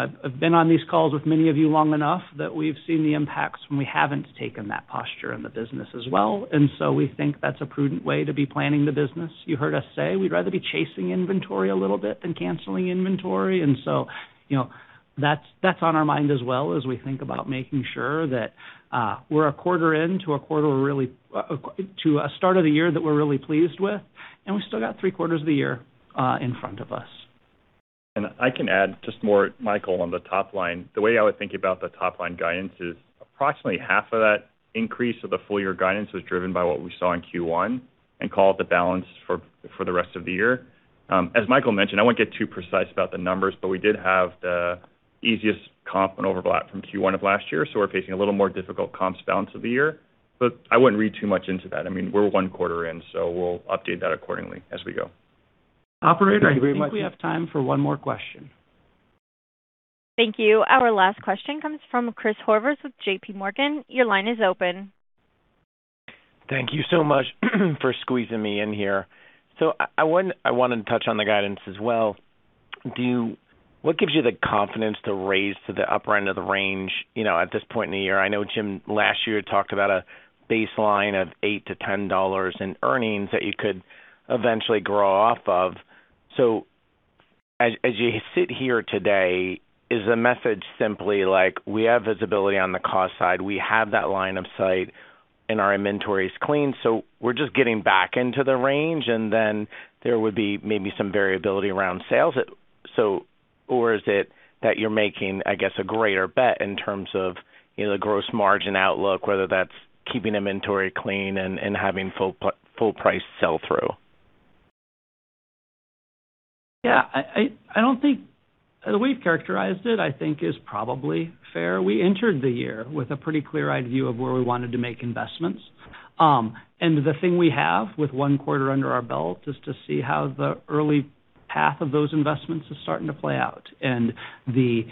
I've been on these calls with many of you long enough that we've seen the impacts when we haven't taken that posture in the business as well. We think that's a prudent way to be planning the business. You heard us say we'd rather be chasing inventory a little bit than canceling inventory. That's on our mind as well as we think about making sure that we're a quarter in to a start of the year that we're really pleased with, and we still got three quarters of the year in front of us. I can add just more, Michael, on the top line. The way I would think about the top-line guidance is approximately half of that increase of the full year guidance was driven by what we saw in Q1 and called the balance for the rest of the year. As Michael mentioned, I won't get too precise about the numbers, but we did have the easiest comp and overlap from Q1 of last year, so we're facing a little more difficult comps balance of the year. I wouldn't read too much into that. I mean, we're one quarter in, so we'll update that accordingly as we go. Operator, I think we have time for one more question. Thank you. Our last question comes from Chris Horvers with JPMorgan. Your line is open. Thank you so much for squeezing me in here. I wanted to touch on the guidance as well. What gives you the confidence to raise to the upper end of the range, at this point in the year? I know Jim, last year, talked about a baseline of $8-$10 in earnings that you could eventually grow off of. As you sit here today, is the message simply like we have visibility on the cost side, we have that line of sight, and our inventory is clean, so we're just getting back into the range, and then there would be maybe some variability around sales? Or is it that you're making, I guess, a greater bet in terms of the gross margin outlook, whether that's keeping inventory clean and having full price sell through? Yeah. I don't think The way you've characterized it, I think is probably fair. We entered the year with a pretty clear-eyed view of where we wanted to make investments. The thing we have with one quarter under our belt is to see how the early path of those investments is starting to play out, and the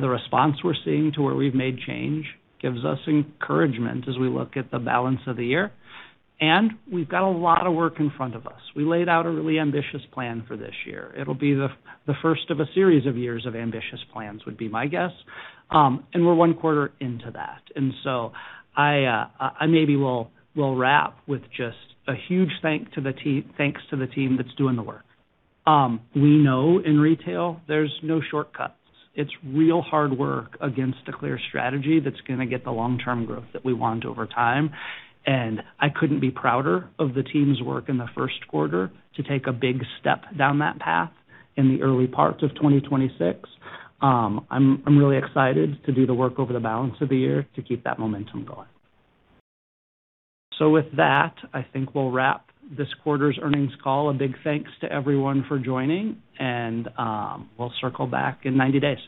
response we're seeing to where we've made change gives us encouragement as we look at the balance of the year. We've got a lot of work in front of us. We laid out a really ambitious plan for this year. It'll be the first of a series of years of ambitious plans, would be my guess. We're one quarter into that. I maybe will wrap with just a huge thanks to the team that's doing the work. We know in retail there's no shortcuts. It's real hard work against a clear strategy that's going to get the long-term growth that we want over time. I couldn't be prouder of the team's work in the first quarter to take a big step down that path in the early parts of 2026. I'm really excited to do the work over the balance of the year to keep that momentum going. With that, I think we'll wrap this quarter's earnings call. A big thanks to everyone for joining, and we'll circle back in 90 days.